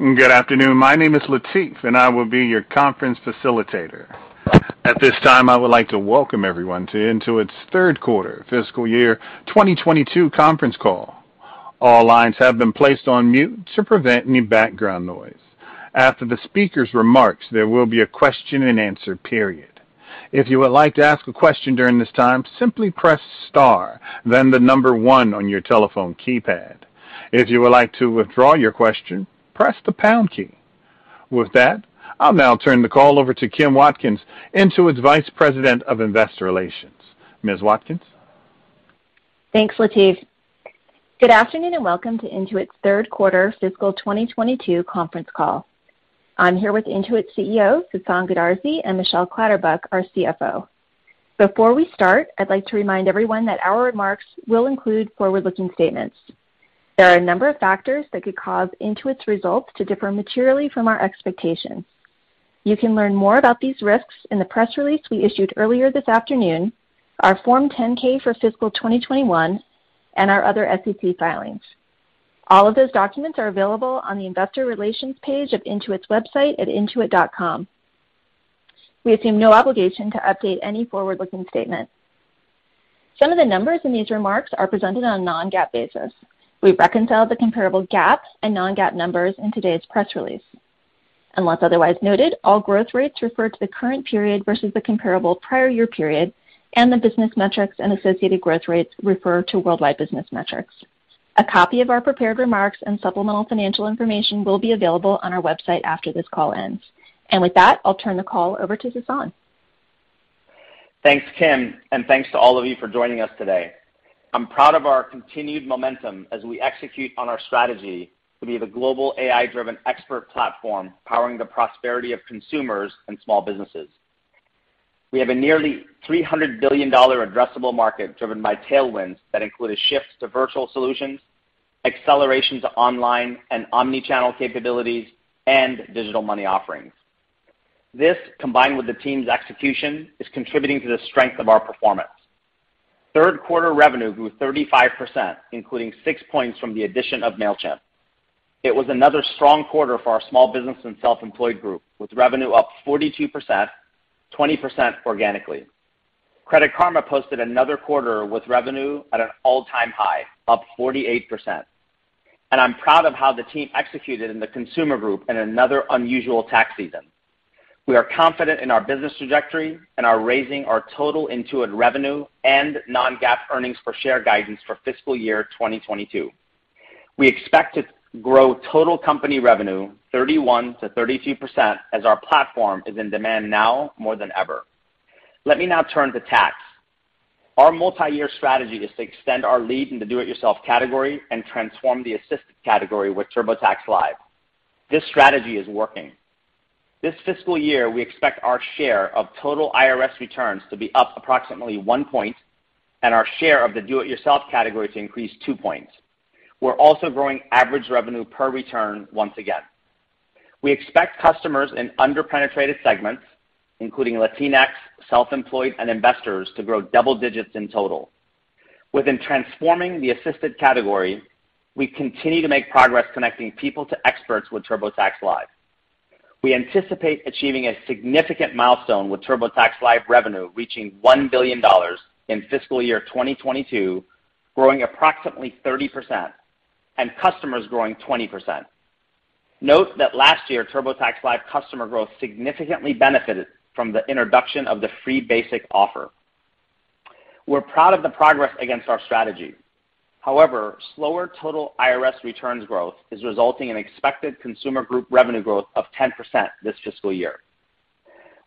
Good afternoon. My name is Latif, and I will be your conference facilitator. At this time, I would like to welcome everyone to Intuit's third quarter fiscal year 2022 conference call. All lines have been placed on mute to prevent any background noise. After the speaker's remarks, there will be a question-and-answer period. If you would like to ask a question during this time, simply press star then the number one on your telephone keypad. If you would like to withdraw your question, press the pound key. With that, I'll now turn the call over to Kim Watkins, Intuit's Vice President of Investor Relations. Ms. Watkins. Thanks, Latif. Good afternoon, and welcome to Intuit's third quarter fiscal 2022 conference call. I'm here with Intuit's CEO, Sasan Goodarzi, and Michelle Clatterbuck, our CFO. Before we start, I'd like to remind everyone that our remarks will include forward-looking statements. There are a number of factors that could cause Intuit's results to differ materially from our expectations. You can learn more about these risks in the press release we issued earlier this afternoon, our Form 10-K for fiscal 2021, and our other SEC filings. All of those documents are available on the investor relations page of Intuit's website at intuit.com. We assume no obligation to update any forward-looking statement. Some of the numbers in these remarks are presented on a non-GAAP basis. We've reconciled the comparable GAAP and non-GAAP numbers in today's press release. Unless otherwise noted, all growth rates refer to the current period versus the comparable prior year period, and the business metrics and associated growth rates refer to worldwide business metrics. A copy of our prepared remarks and supplemental financial information will be available on our website after this call ends. With that, I'll turn the call over to Sasan. Thanks, Kim, and thanks to all of you for joining us today. I'm proud of our continued momentum as we execute on our strategy to be the global AI-driven expert platform powering the prosperity of consumers and small businesses. We have a nearly $300 billion addressable market driven by tailwinds that include a shift to virtual solutions, acceleration to online and omni-channel capabilities, and digital money offerings. This, combined with the team's execution, is contributing to the strength of our performance. Third quarter revenue grew 35%, including 6 points from the addition of Mailchimp. It was another strong quarter for our small business and self-employed group, with revenue up 42%, 20% organically. Credit Karma posted another quarter with revenue at an all-time high, up 48%. I'm proud of how the team executed in the consumer group in another unusual tax season. We are confident in our business trajectory and are raising our total Intuit revenue and non-GAAP earnings per share guidance for fiscal year 2022. We expect to grow total company revenue 31%-32% as our platform is in demand now more than ever. Let me now turn to tax. Our multi-year strategy is to extend our lead in the do it yourself category and transform the assisted category with TurboTax Live. This strategy is working. This fiscal year, we expect our share of total IRS returns to be up approximately 1 point and our share of the do it yourself category to increase 2 points. We're also growing average revenue per return once again. We expect customers in under-penetrated segments, including Latinx, self-employed, and investors to grow double digits in total. Within transforming the assisted category, we continue to make progress connecting people to experts with TurboTax Live. We anticipate achieving a significant milestone with TurboTax Live revenue reaching $1 billion in fiscal year 2022, growing approximately 30%, and customers growing 20%. Note that last year, TurboTax Live customer growth significantly benefited from the introduction of the free basic offer. We're proud of the progress against our strategy. However, slower total IRS returns growth is resulting in expected consumer group revenue growth of 10% this fiscal year.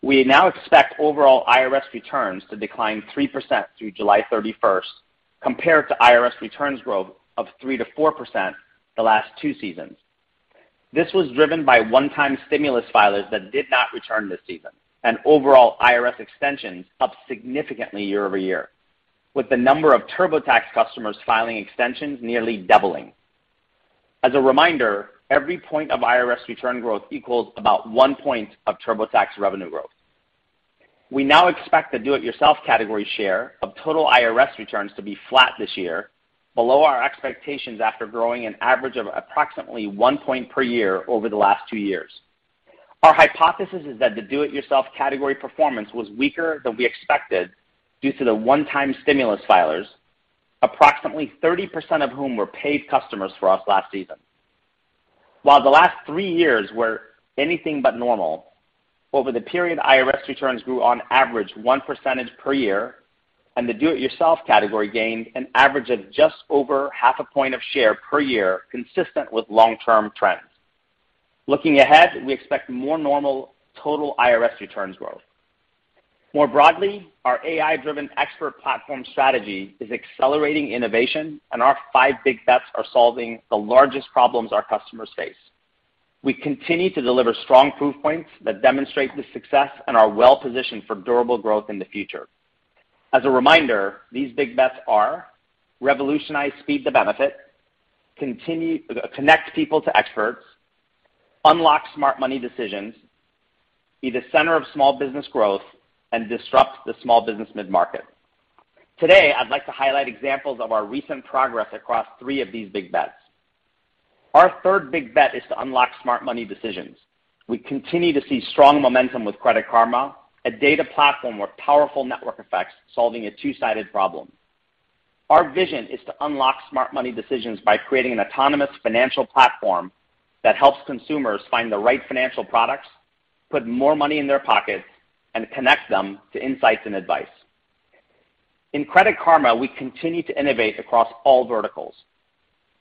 We now expect overall IRS returns to decline 3% through July 31 compared to IRS returns growth of 3%-4% the last two seasons. This was driven by one-time stimulus filers that did not return this season and overall IRS extensions up significantly year-over-year, with the number of TurboTax customers filing extensions nearly doubling. As a reminder, every point of IRS return growth equals about one point of TurboTax revenue growth. We now expect the do it yourself category share of total IRS returns to be flat this year, below our expectations after growing an average of approximately one point per year over the last two years. Our hypothesis is that the do it yourself category performance was weaker than we expected due to the one-time stimulus filers, approximately 30% of whom were paid customers for us last season. While the last three years were anything but normal, over the period, IRS returns grew on average one percentage per year, and the do it yourself category gained an average of just over half a point of share per year, consistent with long-term trends. Looking ahead, we expect more normal total IRS returns growth. More broadly, our AI-driven expert platform strategy is accelerating innovation, and our five big bets are solving the largest problems our customers face. We continue to deliver strong proof points that demonstrate the success and are well-positioned for durable growth in the future. As a reminder, these big bets are revolutionize speed to benefit, connect people to experts, unlock smart money decisions, be the center of small business growth, and disrupt the small business mid-market. Today, I'd like to highlight examples of our recent progress across three of these big bets. Our third big bet is to unlock smart money decisions. We continue to see strong momentum with Credit Karma, a data platform with powerful network effects solving a two-sided problem. Our vision is to unlock smart money decisions by creating an autonomous financial platform that helps consumers find the right financial products, put more money in their pockets, and connect them to insights and advice. In Credit Karma, we continue to innovate across all verticals.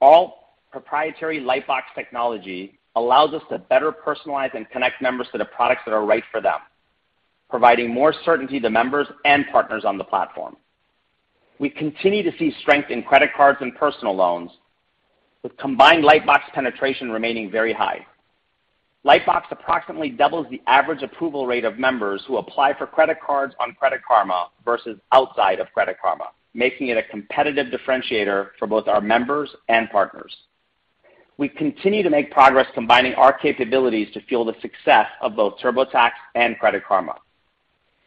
Our proprietary Lightbox technology allows us to better personalize and connect members to the products that are right for them, providing more certainty to members and partners on the platform. We continue to see strength in credit cards and personal loans, with combined Lightbox penetration remaining very high. Lightbox approximately doubles the average approval rate of members who apply for credit cards on Credit Karma versus outside of Credit Karma, making it a competitive differentiator for both our members and partners. We continue to make progress combining our capabilities to fuel the success of both TurboTax and Credit Karma.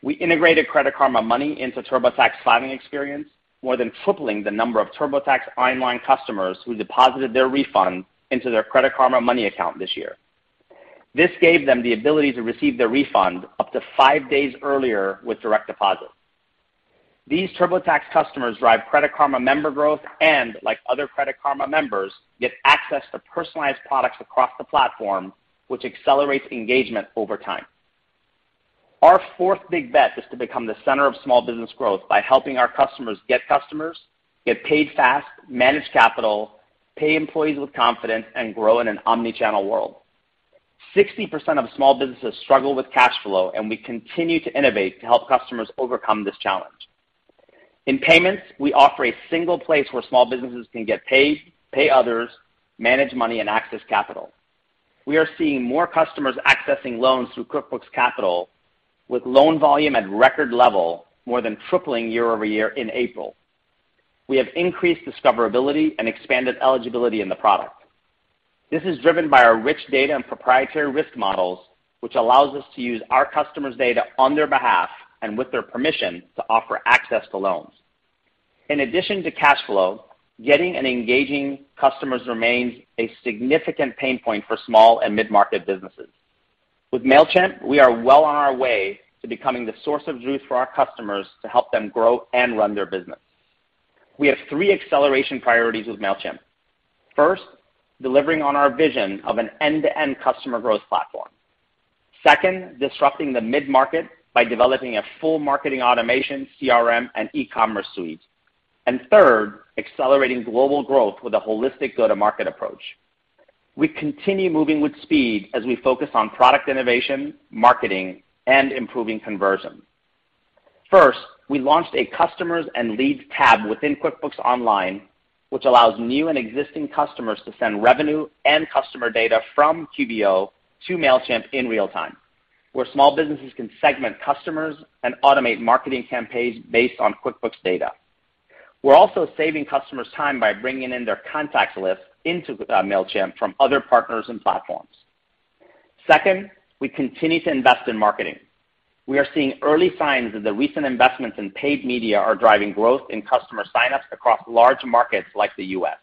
We integrated Credit Karma Money into TurboTax filing experience, more than tripling the number of TurboTax online customers who deposited their refund into their Credit Karma Money account this year. This gave them the ability to receive their refund up to five days earlier with direct deposit. These TurboTax customers drive Credit Karma member growth and, like other Credit Karma members, get access to personalized products across the platform, which accelerates engagement over time. Our fourth big bet is to become the center of small business growth by helping our customers get customers, get paid fast, manage capital, pay employees with confidence, and grow in an omni-channel world. 60% of small businesses struggle with cash flow, and we continue to innovate to help customers overcome this challenge. In payments, we offer a single place where small businesses can get paid, pay others, manage money, and access capital. We are seeing more customers accessing loans through QuickBooks Capital, with loan volume at record level more than tripling year-over-year in April. We have increased discoverability and expanded eligibility in the product. This is driven by our rich data and proprietary risk models, which allows us to use our customers' data on their behalf and with their permission to offer access to loans. In addition to cash flow, getting and engaging customers remains a significant pain point for small and mid-market businesses. With Mailchimp, we are well on our way to becoming the source of truth for our customers to help them grow and run their business. We have three acceleration priorities with Mailchimp. First, delivering on our vision of an end-to-end customer growth platform. Second, disrupting the mid-market by developing a full marketing automation, CRM, and e-commerce suite. Third, accelerating global growth with a holistic go-to-market approach. We continue moving with speed as we focus on product innovation, marketing, and improving conversion. First, we launched a customers and leads tab within QuickBooks Online, which allows new and existing customers to send revenue and customer data from QBO to Mailchimp in real time, where small businesses can segment customers and automate marketing campaigns based on QuickBooks data. We're also saving customers time by bringing in their contacts list into Mailchimp from other partners and platforms. Second, we continue to invest in marketing. We are seeing early signs that the recent investments in paid media are driving growth in customer signups across large markets like the U.S.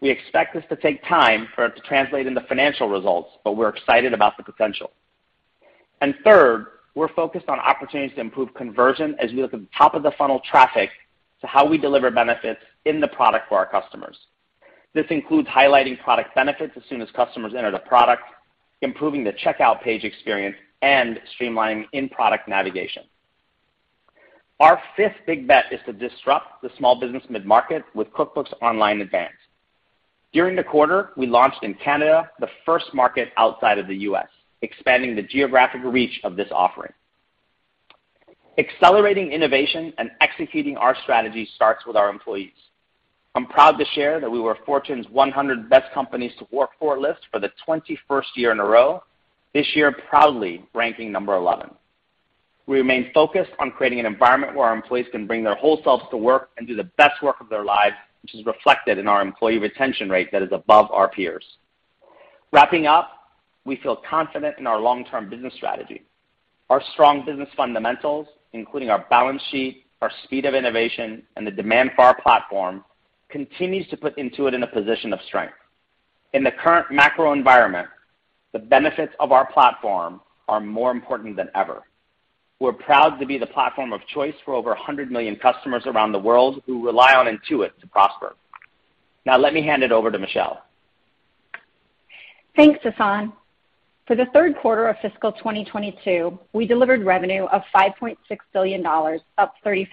We expect this to take time for it to translate into financial results, but we're excited about the potential. Third, we're focused on opportunities to improve conversion as we look at top-of-the-funnel traffic to how we deliver benefits in the product for our customers. This includes highlighting product benefits as soon as customers enter the product, improving the checkout page experience, and streamlining in-product navigation. Our fifth big bet is to disrupt the small business mid-market with QuickBooks Online Advanced. During the quarter, we launched in Canada, the first market outside of the U.S., expanding the geographic reach of this offering. Accelerating innovation and executing our strategy starts with our employees. I'm proud to share that we were Fortune's 100 Best Companies to Work For list for the 21st year in a row, this year proudly ranking number 11. We remain focused on creating an environment where our employees can bring their whole selves to work and do the best work of their lives, which is reflected in our employee retention rate that is above our peers. Wrapping up, we feel confident in our long-term business strategy. Our strong business fundamentals, including our balance sheet, our speed of innovation, and the demand for our platform, continues to put Intuit in a position of strength. In the current macro environment, the benefits of our platform are more important than ever. We're proud to be the platform of choice for over 100 million customers around the world who rely on Intuit to prosper. Now let me hand it over to Michelle. Thanks, Sasan. For the third quarter of fiscal 2022, we delivered revenue of $5.6 billion, up 35%,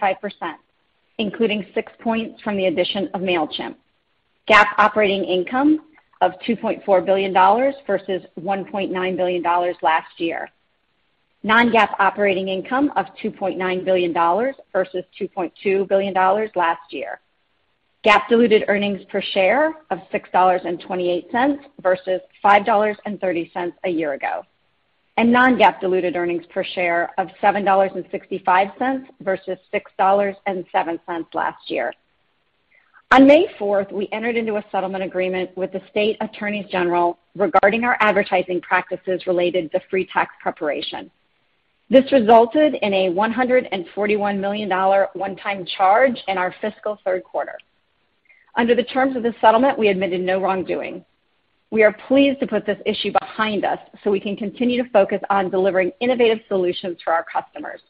including 6 points from the addition of Mailchimp. GAAP operating income of $2.4 billion versus $1.9 billion last year. Non-GAAP operating income of $2.9 billion versus $2.2 billion last year. GAAP diluted earnings per share of $6.28 versus $5.30 a year ago. Non-GAAP diluted earnings per share of $7.65 versus $6.07 last year. On May 4, we entered into a settlement agreement with the state attorneys general regarding our advertising practices related to free tax preparation. This resulted in a $141 million one-time charge in our fiscal third quarter. Under the terms of the settlement, we admitted no wrongdoing. We are pleased to put this issue behind us so we can continue to focus on delivering innovative solutions to our customers.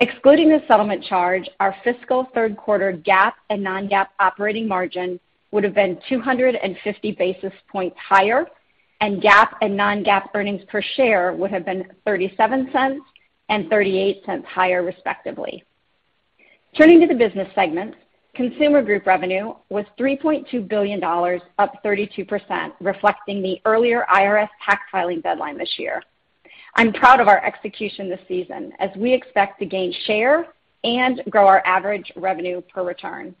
Excluding the settlement charge, our fiscal third quarter GAAP and non-GAAP operating margin would have been 250 basis points higher, and GAAP and non-GAAP earnings per share would have been $0.37 and $0.38 higher respectively. Turning to the business segments, consumer group revenue was $3.2 billion, up 32%, reflecting the earlier IRS tax filing deadline this year. I'm proud of our execution this season as we expect to gain share and grow our average revenue per return.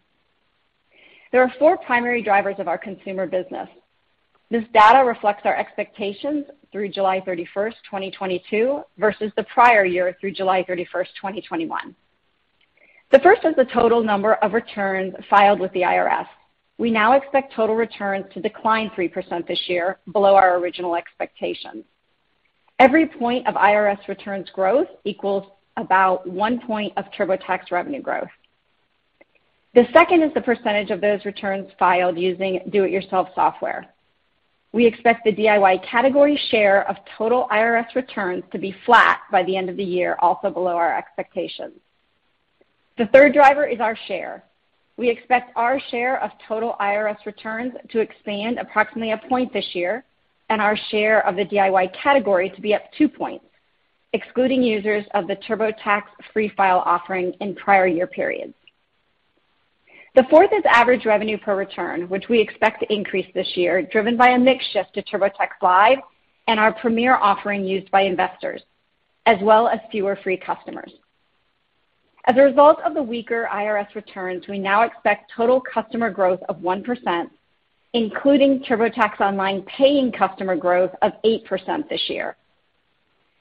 There are four primary drivers of our consumer business. This data reflects our expectations through July 31, 2022, versus the prior year through July 31, 2021. The first is the total number of returns filed with the IRS. We now expect total returns to decline 3% this year below our original expectations. Every point of IRS returns growth equals about 1 point of TurboTax revenue growth. The second is the percentage of those returns filed using do-it-yourself software. We expect the DIY category share of total IRS returns to be flat by the end of the year, also below our expectations. The third driver is our share. We expect our share of total IRS returns to expand approximately 1 point this year and our share of the DIY category to be up 2 points, excluding users of the TurboTax Free File offering in prior year periods. The fourth is average revenue per return, which we expect to increase this year, driven by a mix shift to TurboTax Live and our Premier offering used by investors, as well as fewer free customers. As a result of the weaker IRS returns, we now expect total customer growth of 1%, including TurboTax Online paying customer growth of 8% this year.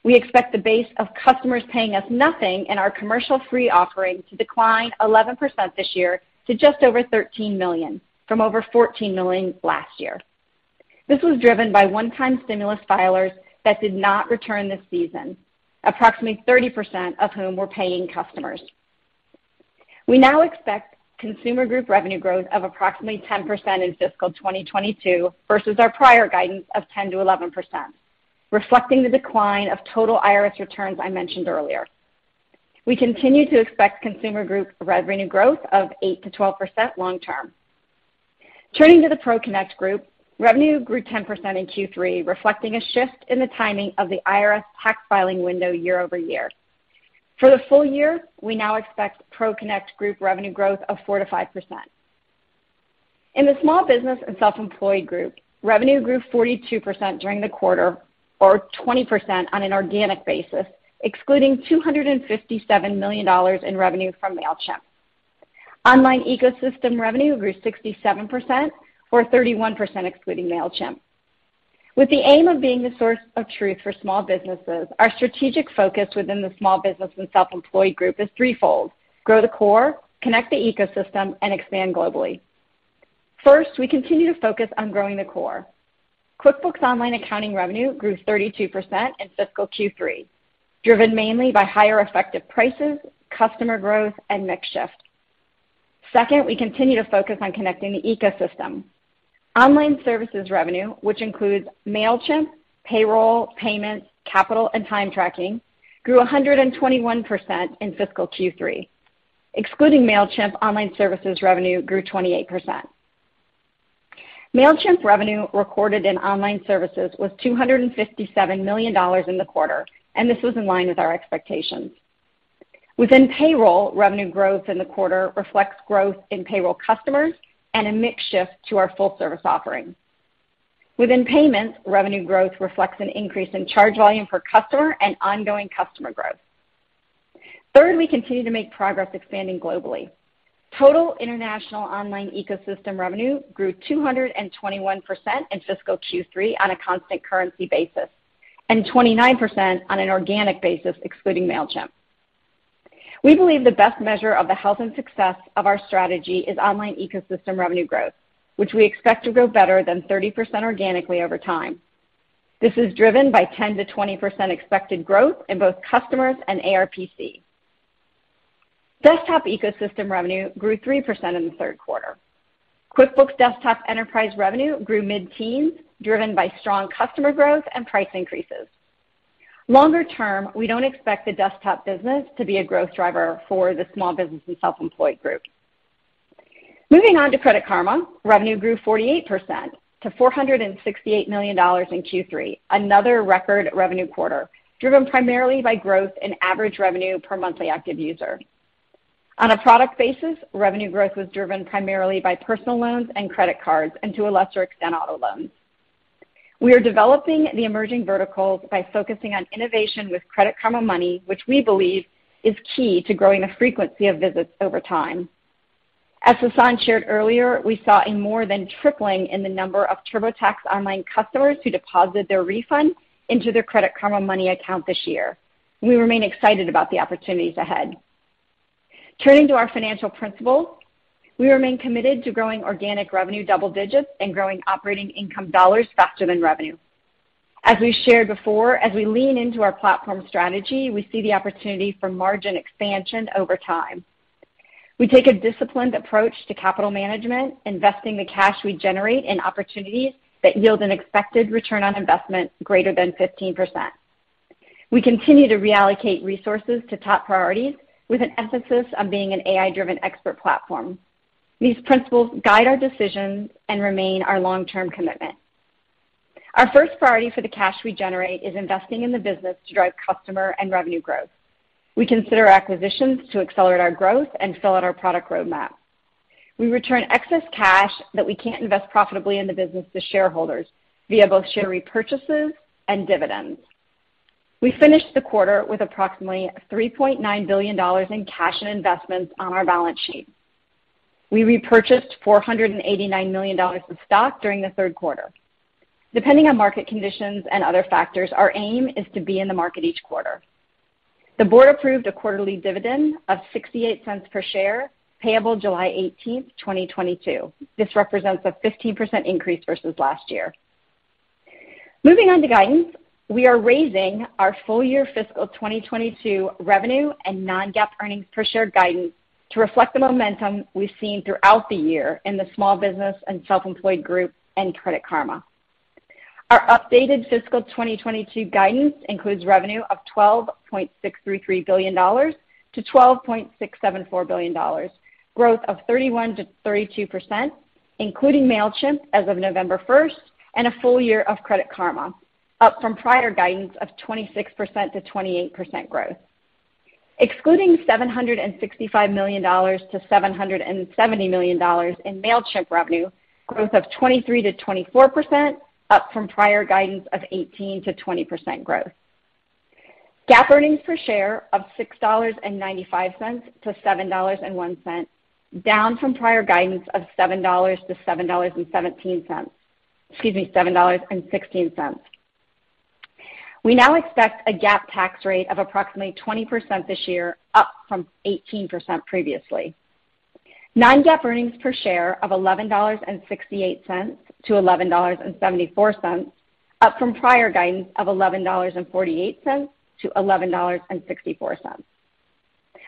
We expect the base of customers paying us nothing in our commercial free offering to decline 11% this year to just over 13 million from over 14 million last year. This was driven by one-time stimulus filers that did not return this season, approximately 30% of whom were paying customers. We now expect consumer group revenue growth of approximately 10% in fiscal 2022 versus our prior guidance of 10%-11%, reflecting the decline of total IRS returns I mentioned earlier. We continue to expect consumer group revenue growth of 8%-12% long term. Turning to the ProConnect group, revenue grew 10% in Q3, reflecting a shift in the timing of the IRS tax filing window year-over-year. For the full year, we now expect ProConnect group revenue growth of 4%-5%. In the small business and self-employed group, revenue grew 42% during the quarter or 20% on an organic basis, excluding $257 million in revenue from Mailchimp. Online ecosystem revenue grew 67% or 31% excluding Mailchimp. With the aim of being the source of truth for small businesses, our strategic focus within the small business and self-employed group is threefold. Grow the core, connect the ecosystem, and expand globally. First, we continue to focus on growing the core. QuickBooks Online accounting revenue grew 32% in fiscal Q3, driven mainly by higher effective prices, customer growth, and mix shift. Second, we continue to focus on connecting the ecosystem. Online services revenue, which includes Mailchimp, payroll, payments, capital, and time tracking, grew 121% in fiscal Q3. Excluding Mailchimp, online services revenue grew 28%. Mailchimp's revenue recorded in online services was $257 million in the quarter, and this was in line with our expectations. Within payroll, revenue growth in the quarter reflects growth in payroll customers and a mix shift to our full service offering. Within payments, revenue growth reflects an increase in charge volume per customer and ongoing customer growth. Third, we continue to make progress expanding globally. Total international online ecosystem revenue grew 221% in fiscal Q3 on a constant currency basis, and 29% on an organic basis excluding Mailchimp. We believe the best measure of the health and success of our strategy is online ecosystem revenue growth, which we expect to grow better than 30% organically over time. This is driven by 10%-20% expected growth in both customers and ARPC. Desktop ecosystem revenue grew 3% in the third quarter. QuickBooks Desktop Enterprise revenue grew mid-teens, driven by strong customer growth and price increases. Longer term, we don't expect the desktop business to be a growth driver for the small business and self-employed group. Moving on to Credit Karma. Revenue grew 48% to $468 million in Q3, another record revenue quarter, driven primarily by growth in average revenue per monthly active user. On a product basis, revenue growth was driven primarily by personal loans and credit cards, and to a lesser extent, auto loans. We are developing the emerging verticals by focusing on innovation with Credit Karma Money, which we believe is key to growing the frequency of visits over time. As Sasan shared earlier, we saw a more than tripling in the number of TurboTax online customers who deposited their refund into their Credit Karma Money account this year. We remain excited about the opportunities ahead. Turning to our financial principles, we remain committed to growing organic revenue double digits and growing operating income dollars faster than revenue. As we shared before, as we lean into our platform strategy, we see the opportunity for margin expansion over time. We take a disciplined approach to capital management, investing the cash we generate in opportunities that yield an expected return on investment greater than 15%. We continue to reallocate resources to top priorities with an emphasis on being an AI-driven expert platform. These principles guide our decisions and remain our long-term commitment. Our first priority for the cash we generate is investing in the business to drive customer and revenue growth. We consider acquisitions to accelerate our growth and fill out our product roadmap. We return excess cash that we can't invest profitably in the business to shareholders via both share repurchases and dividends. We finished the quarter with approximately $3.9 billion in cash and investments on our balance sheet. We repurchased $489 million of stock during the third quarter. Depending on market conditions and other factors, our aim is to be in the market each quarter. The board approved a quarterly dividend of $0.68 per share, payable July 18, 2022. This represents a 15% increase versus last year. Moving on to guidance, we are raising our full year fiscal 2022 revenue and non-GAAP earnings per share guidance to reflect the momentum we've seen throughout the year in the small business and self-employed group and Credit Karma. Our updated fiscal 2022 guidance includes revenue of $12.633 billion-$12.674 billion, growth of 31%-32%, including Mailchimp as of November 1, and a full year of Credit Karma, up from prior guidance of 26%-28% growth. Excluding $765 million-$770 million in Mailchimp revenue, growth of 23%-24%, up from prior guidance of 18%-20% growth. GAAP earnings per share of $6.95-$7.01, down from prior guidance of $7-$7.16. We now expect a GAAP tax rate of approximately 20% this year, up from 18% previously. Non-GAAP earnings per share of $11.68-$11.74, up from prior guidance of $11.48-$11.64.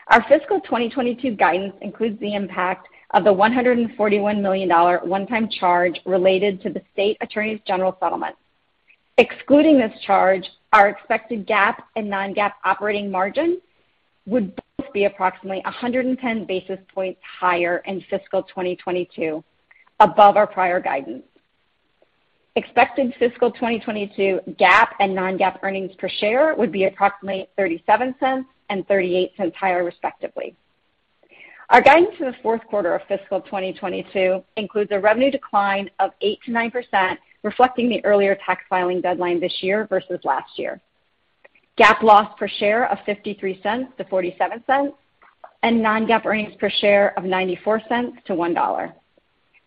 Our fiscal 2022 guidance includes the impact of the $141 million one-time charge related to the state attorneys general settlement. Excluding this charge, our expected GAAP and non-GAAP operating margin would both be approximately 110 basis points higher in fiscal 2022 above our prior guidance. Expected fiscal 2022 GAAP and non-GAAP earnings per share would be approximately $0.37 and $0.38 higher respectively. Our guidance for the fourth quarter of fiscal 2022 includes a revenue decline of 8%-9%, reflecting the earlier tax filing deadline this year versus last year. GAAP loss per share of $0.53-$0.47, and non-GAAP earnings per share of $0.94-$1.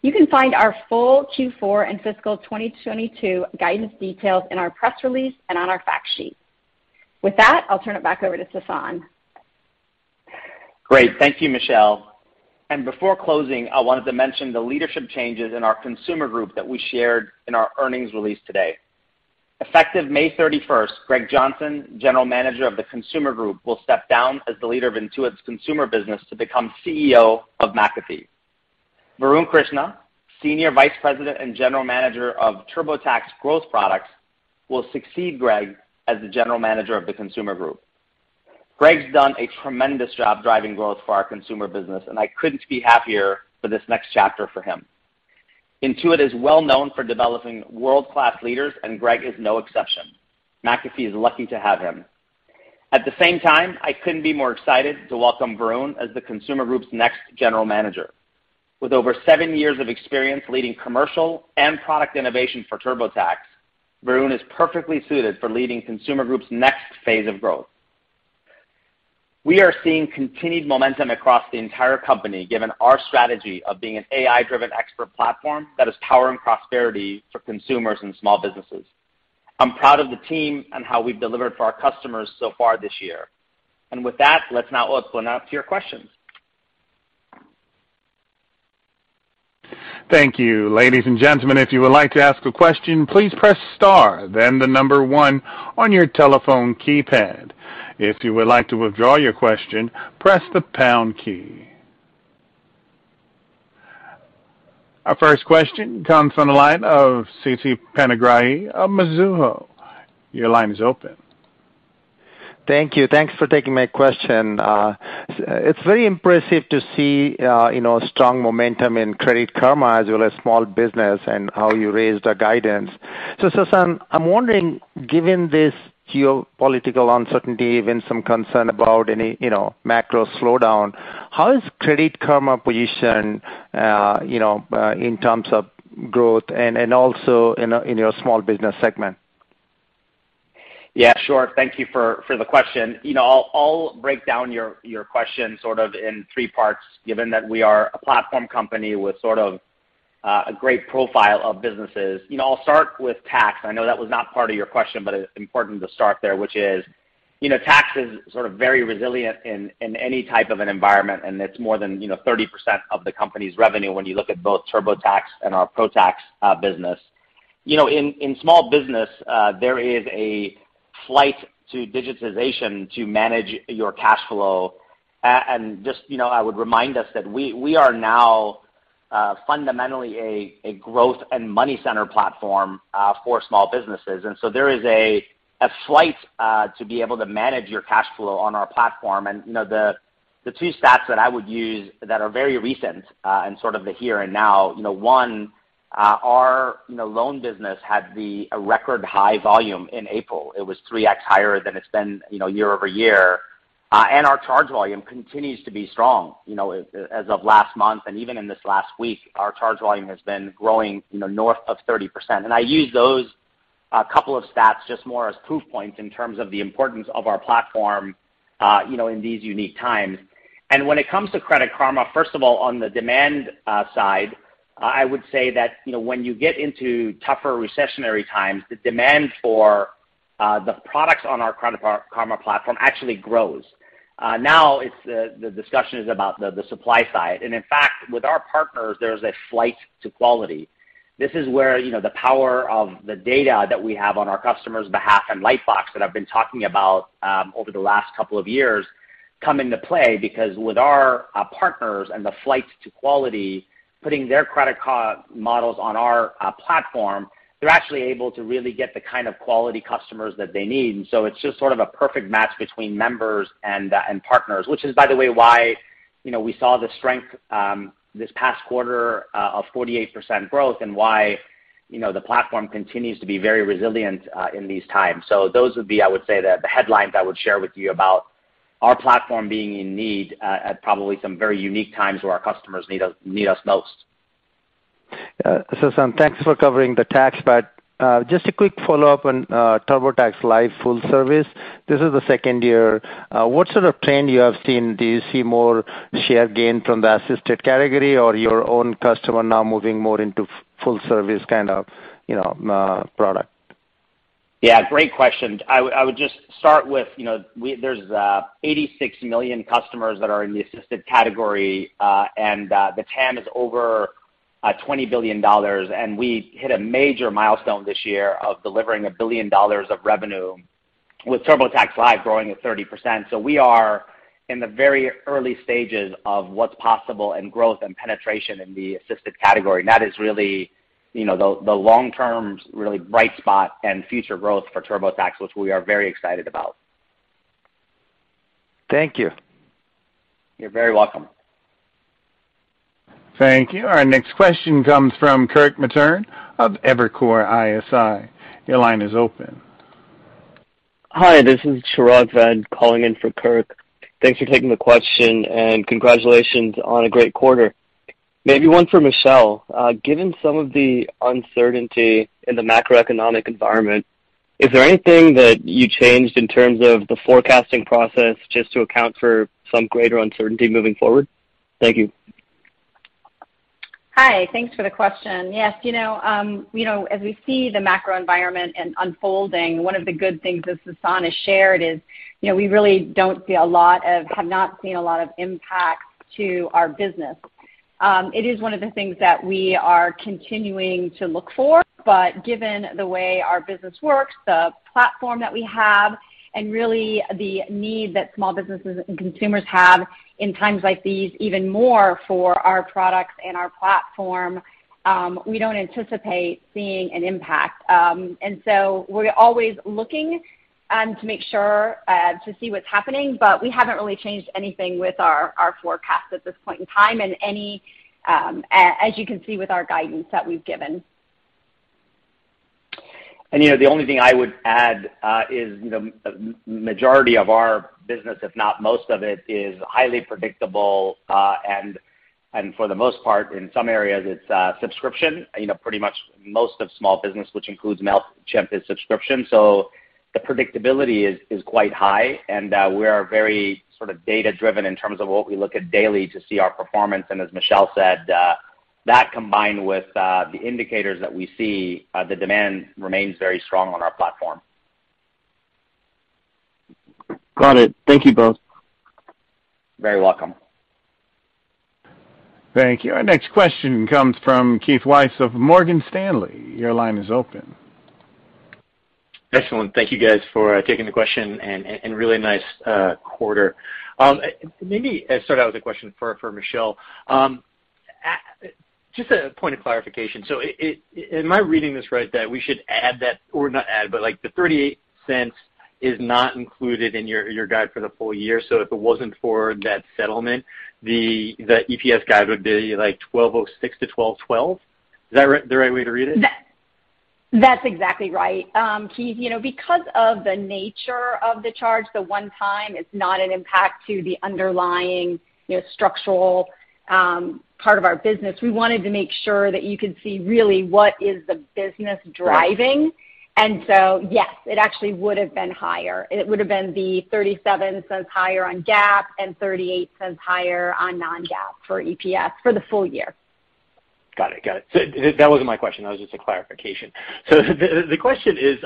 You can find our full Q4 and fiscal 2022 guidance details in our press release and on our fact sheet. With that, I'll turn it back over to Sasan. Great. Thank you, Michelle. Before closing, I wanted to mention the leadership changes in our Consumer Group that we shared in our earnings release today. Effective May 31, Greg Johnson, General Manager of the Consumer Group, will step down as the leader of Intuit's consumer business to become CEO of McAfee. Varun Krishna, Senior Vice President and General Manager of TurboTax Growth Products, will succeed Greg as the General Manager of the Consumer Group. Greg's done a tremendous job driving growth for our consumer business, and I couldn't be happier for this next chapter for him. Intuit is well known for developing world-class leaders, and Greg is no exception. McAfee is lucky to have him. At the same time, I couldn't be more excited to welcome Varun as the Consumer Group's next General Manager. With over seven years of experience leading commercial and product innovation for TurboTax, Varun is perfectly suited for leading Consumer Group's next phase of growth. We are seeing continued momentum across the entire company, given our strategy of being an AI-driven expert platform that powers prosperity for consumers and small businesses. I'm proud of the team and how we've delivered for our customers so far this year. With that, let's now open up to your questions. Thank you. Ladies and gentlemen, if you would like to ask a question, please press star then the number one on your telephone keypad. If you would like to withdraw your question, press the pound key. Our first question comes from the line of Siti Panigrahi of Mizuho. Your line is open. Thank you. Thanks for taking my question. It's very impressive to see you know strong momentum in Credit Karma as well as small business and how you raised the guidance. Sasan, I'm wondering, given this geopolitical uncertainty, even some concern about any you know macro slowdown, how is Credit Karma positioned you know in terms of growth and also in your small business segment? Yeah, sure. Thank you for the question. You know, I'll break down your question sort of in three parts, given that we are a platform company with sort of a great profile of businesses. You know, I'll start with tax. I know that was not part of your question, but it's important to start there, which is, you know, tax is sort of very resilient in any type of an environment, and it's more than, you know, 30% of the company's revenue when you look at both TurboTax and our Pro Tax business. You know, in small business, there is a flight to digitization to manage your cash flow. Just, you know, I would remind us that we are now fundamentally a growth and money center platform for small businesses. There is a flight to be able to manage your cash flow on our platform. You know, the two stats that I would use that are very recent and sort of the here and now, you know, one, our you know, loan business had a record high volume in April. It was 3x higher than it's been, you know, year-over-year. Our charge volume continues to be strong, you know, as of last month, and even in this last week, our charge volume has been growing, you know, north of 30%. I use those couple of stats just more as proof points in terms of the importance of our platform, you know, in these unique times. When it comes to Credit Karma, first of all, on the demand side, I would say that, you know, when you get into tougher recessionary times, the demand for the products on our Credit Karma platform actually grows. Now the discussion is about the supply side. In fact, with our partners, there's a flight to quality. This is where, you know, the power of the data that we have on our customers' behalf and Lightbox that I've been talking about over the last couple of years come into play because with our partners and the flight to quality, putting their Credit Karma models on our platform, they're actually able to really get the kind of quality customers that they need. It's just sort of a perfect match between members and partners, which is, by the way, why, you know, we saw the strength this past quarter of 48% growth and why, you know, the platform continues to be very resilient in these times. Those would be, I would say, the headlines I would share with you about our platform being needed at probably some very unique times where our customers need us most. Sasan, thanks for covering the tax. Just a quick follow-up on TurboTax Live full service. This is the second year. What sort of trend you have seen? Do you see more share gain from the assisted category or your own customer now moving more into full service kind of, you know, product? Yeah, great question. I would just start with, you know, there's 86 million customers that are in the assisted category, and the TAM is over $20 billion, and we hit a major milestone this year of delivering $1 billion of revenue with TurboTax Live growing at 30%. We are in the very early stages of what's possible and growth and penetration in the assisted category. That is really, you know, the long-term really bright spot and future growth for TurboTax, which we are very excited about. Thank you. You're very welcome. Thank you. Our next question comes from Kirk Materne of Evercore ISI. Your line is open. Hi, this is Sharad Mad calling in for Kirk. Thanks for taking the question and congratulations on a great quarter. Maybe one for Michelle. Given some of the uncertainty in the macroeconomic environment, is there anything that you changed in terms of the forecasting process just to account for some greater uncertainty moving forward? Thank you. Hi. Thanks for the question. Yes, you know, as we see the macro environment unfolding, one of the good things that Sasan has shared is, you know, we really have not seen a lot of impact to our business. It is one of the things that we are continuing to look for, but given the way our business works, the platform that we have and really the need that small businesses and consumers have in times like these, even more for our products and our platform, we don't anticipate seeing an impact. We're always looking to make sure to see what's happening, but we haven't really changed anything with our forecast at this point in time and as you can see with our guidance that we've given. You know, the only thing I would add is, you know, majority of our business, if not most of it, is highly predictable, and for the most part, in some areas it's subscription. You know, pretty much most of small business, which includes Mailchimp, is subscription. So the predictability is quite high. We are very sort of data-driven in terms of what we look at daily to see our performance. As Michelle said, that combined with the indicators that we see, the demand remains very strong on our platform. Got it. Thank you both. Very welcome. Thank you. Our next question comes from Keith Weiss of Morgan Stanley. Your line is open. Excellent. Thank you guys for taking the question and really nice quarter. Maybe I start out with a question for Michelle. Just a point of clarification. So am I reading this right that we should add that or not add, but like the $0.38 is not included in your guide for the full year. So if it wasn't for that settlement, the EPS guide would be like $12.06-$12.12. Is that the right way to read it? That's exactly right. Keith, you know, because of the nature of the charge, the one time, it's not an impact to the underlying, you know, structural part of our business. We wanted to make sure that you could see really what is driving the business. Yes, it actually would have been higher. It would have been $0.37 higher on GAAP and $0.38 higher on non-GAAP for EPS for the full year. Got it. That wasn't my question. That was just a clarification. The question is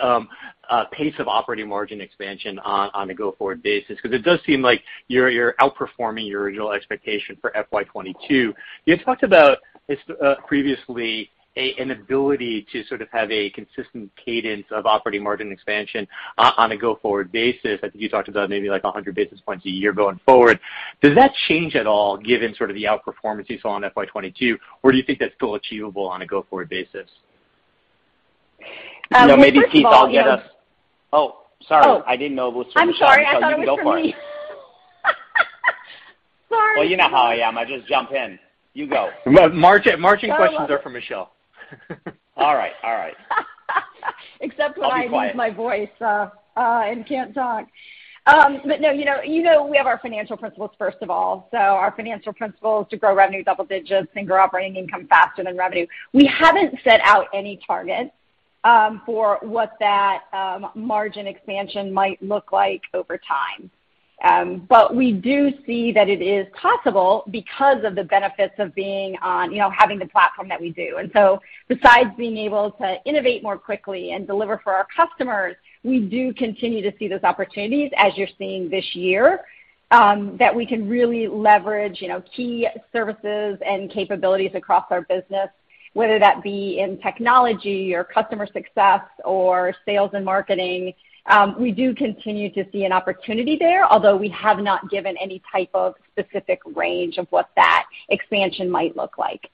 pace of operating margin expansion on a go-forward basis, because it does seem like you're outperforming your original expectation for FY 2022. You talked about this previously an ability to sort of have a consistent cadence of operating margin expansion on a go-forward basis. I think you talked about maybe like 100 basis points a year going forward. Does that change at all given sort of the outperformance you saw on FY 2022, or do you think that's still achievable on a go-forward basis? Well, first of all, you know. You know, maybe, Keith, I'll get us. Oh, sorry. Oh. I didn't know it was for Michelle, so you go for it. I'm sorry. I thought it was for me. Sorry. Well, you know how I am. I just jump in. You go. Margin, margin questions are for Michelle. All right, all right. Except I lose my voice and can't talk. No, you know, we have our financial principles, first of all. Our financial principle is to grow revenue double digits and grow operating income faster than revenue. We haven't set out any targets for what that margin expansion might look like over time. We do see that it is possible because of the benefits of being on, you know, having the platform that we do. Besides being able to innovate more quickly and deliver for our customers, we do continue to see those opportunities as you're seeing this year that we can really leverage, you know, key services and capabilities across our business, whether that be in technology or customer success or sales and marketing. We do continue to see an opportunity there, although we have not given any type of specific range of what that expansion might look like.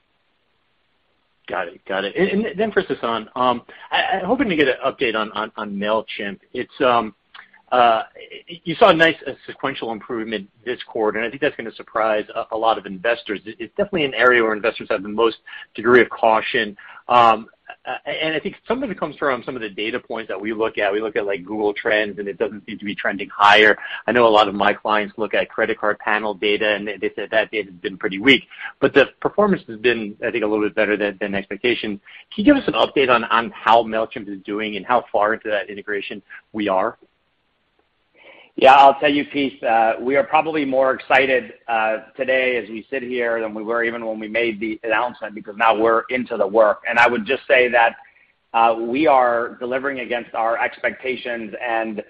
Got it. Then for Sasan, I'm hoping to get an update on Mailchimp. It's you saw a nice sequential improvement this quarter, and I think that's gonna surprise a lot of investors. It's definitely an area where investors have the most degree of caution. I think some of it comes from some of the data points that we look at. We look at, like, Google Trends, and it doesn't seem to be trending higher. I know a lot of my clients look at credit card panel data, and they said that data's been pretty weak. But the performance has been, I think, a little bit better than expectation. Can you give us an update on how Mailchimp is doing and how far into that integration we are? Yeah, I'll tell you, Keith, we are probably more excited today as we sit here than we were even when we made the announcement because now we're into the work. I would just say that we are delivering against our expectations, and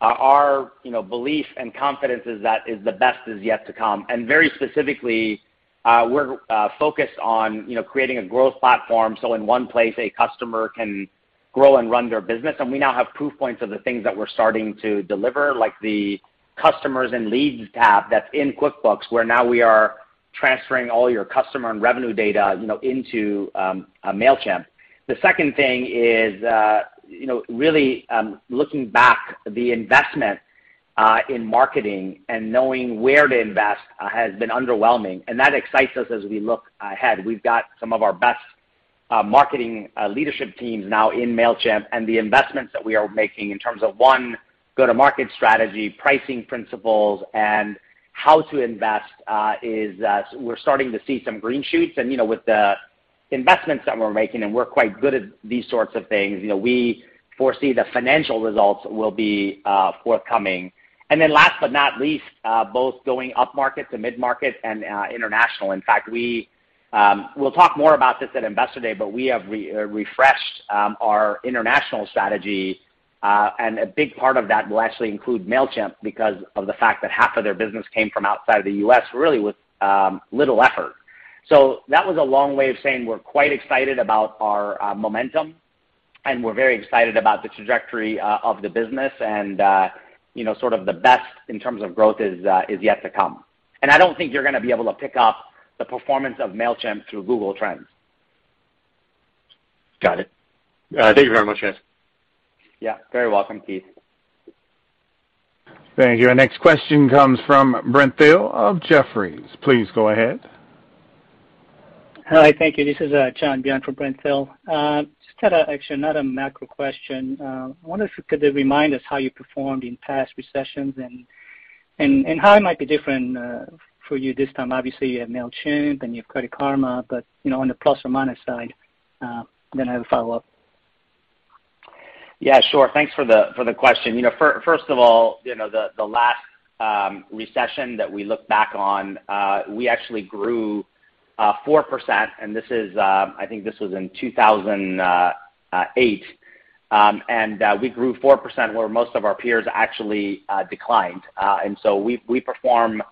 our you know belief and confidence is that the best is yet to come. Very specifically, we're focused on you know creating a growth platform, so in one place, a customer can grow and run their business. We now have proof points of the things that we're starting to deliver, like the customers and leads tab that's in QuickBooks, where now we are transferring all your customer and revenue data, you know, into Mailchimp. The second thing is, you know, really, looking back, the investment in marketing and knowing where to invest has been underwhelming, and that excites us as we look ahead. We've got some of our best marketing leadership teams now in Mailchimp, and the investments that we are making in terms of, one, go-to-market strategy, pricing principles, and how to invest, we're starting to see some green shoots. You know, with the investments that we're making, and we're quite good at these sorts of things, you know, we foresee the financial results will be forthcoming. Then last but not least, both going upmarket to mid-market and international. In fact, we'll talk more about this at Investor Day, but we have refreshed our international strategy, and a big part of that will actually include Mailchimp because of the fact that half of their business came from outside the U.S. really with little effort. That was a long way of saying we're quite excited about our momentum, and we're very excited about the trajectory of the business, and you know, sort of the best in terms of growth is yet to come. I don't think you're gonna be able to pick up the performance of Mailchimp through Google Trends. Got it. Thank you very much, guys. You're very welcome, Keith. Thank you. Our next question comes from Brent Thill of Jefferies. Please go ahead. Hi. Thank you. This is John Byun for Brent Thill. Actually, another macro question. I wonder if you could remind us how you performed in past recessions and how it might be different for you this time. Obviously, you have Mailchimp, and you have Credit Karma, but you know, on the plus or minus side, then I have a follow-up. Yeah, sure. Thanks for the question. You know, first of all, you know, the last recession that we look back on, we actually grew 4%, and this is, I think this was in 2008. We grew 4%, where most of our peers actually declined. We perform,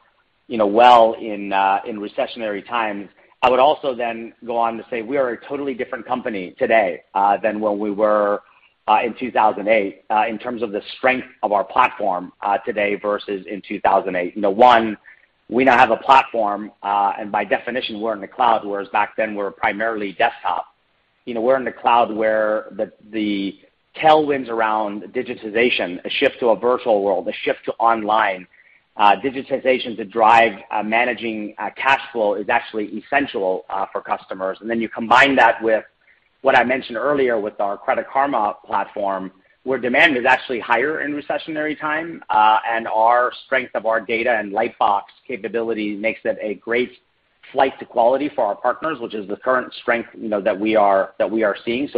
you know, well in recessionary times. I would also go on to say we are a totally different company today than when we were in 2008 in terms of the strength of our platform today versus in 2008. You know, one, we now have a platform, and by definition, we're in the cloud, whereas back then, we were primarily desktop. You know, we're in the cloud where the tailwinds around digitization, a shift to a virtual world, a shift to online, digitization to drive managing cash flow is actually essential for customers. Then you combine that with what I mentioned earlier with our Credit Karma platform, where demand is actually higher in recessionary time, and our strength of our data and Lightbox capability makes it a great flight to quality for our partners, which is the current strength, you know, that we are seeing.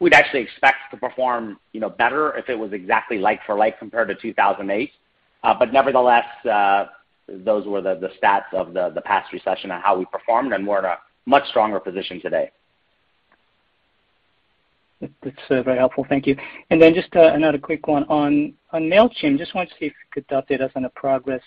We'd actually expect to perform, you know, better if it was exactly like for like compared to 2008. Nevertheless, those were the stats of the past recession and how we performed, and we're in a much stronger position today. That's very helpful. Thank you. Just another quick one on Mailchimp. Just want to see if you could update us on the progress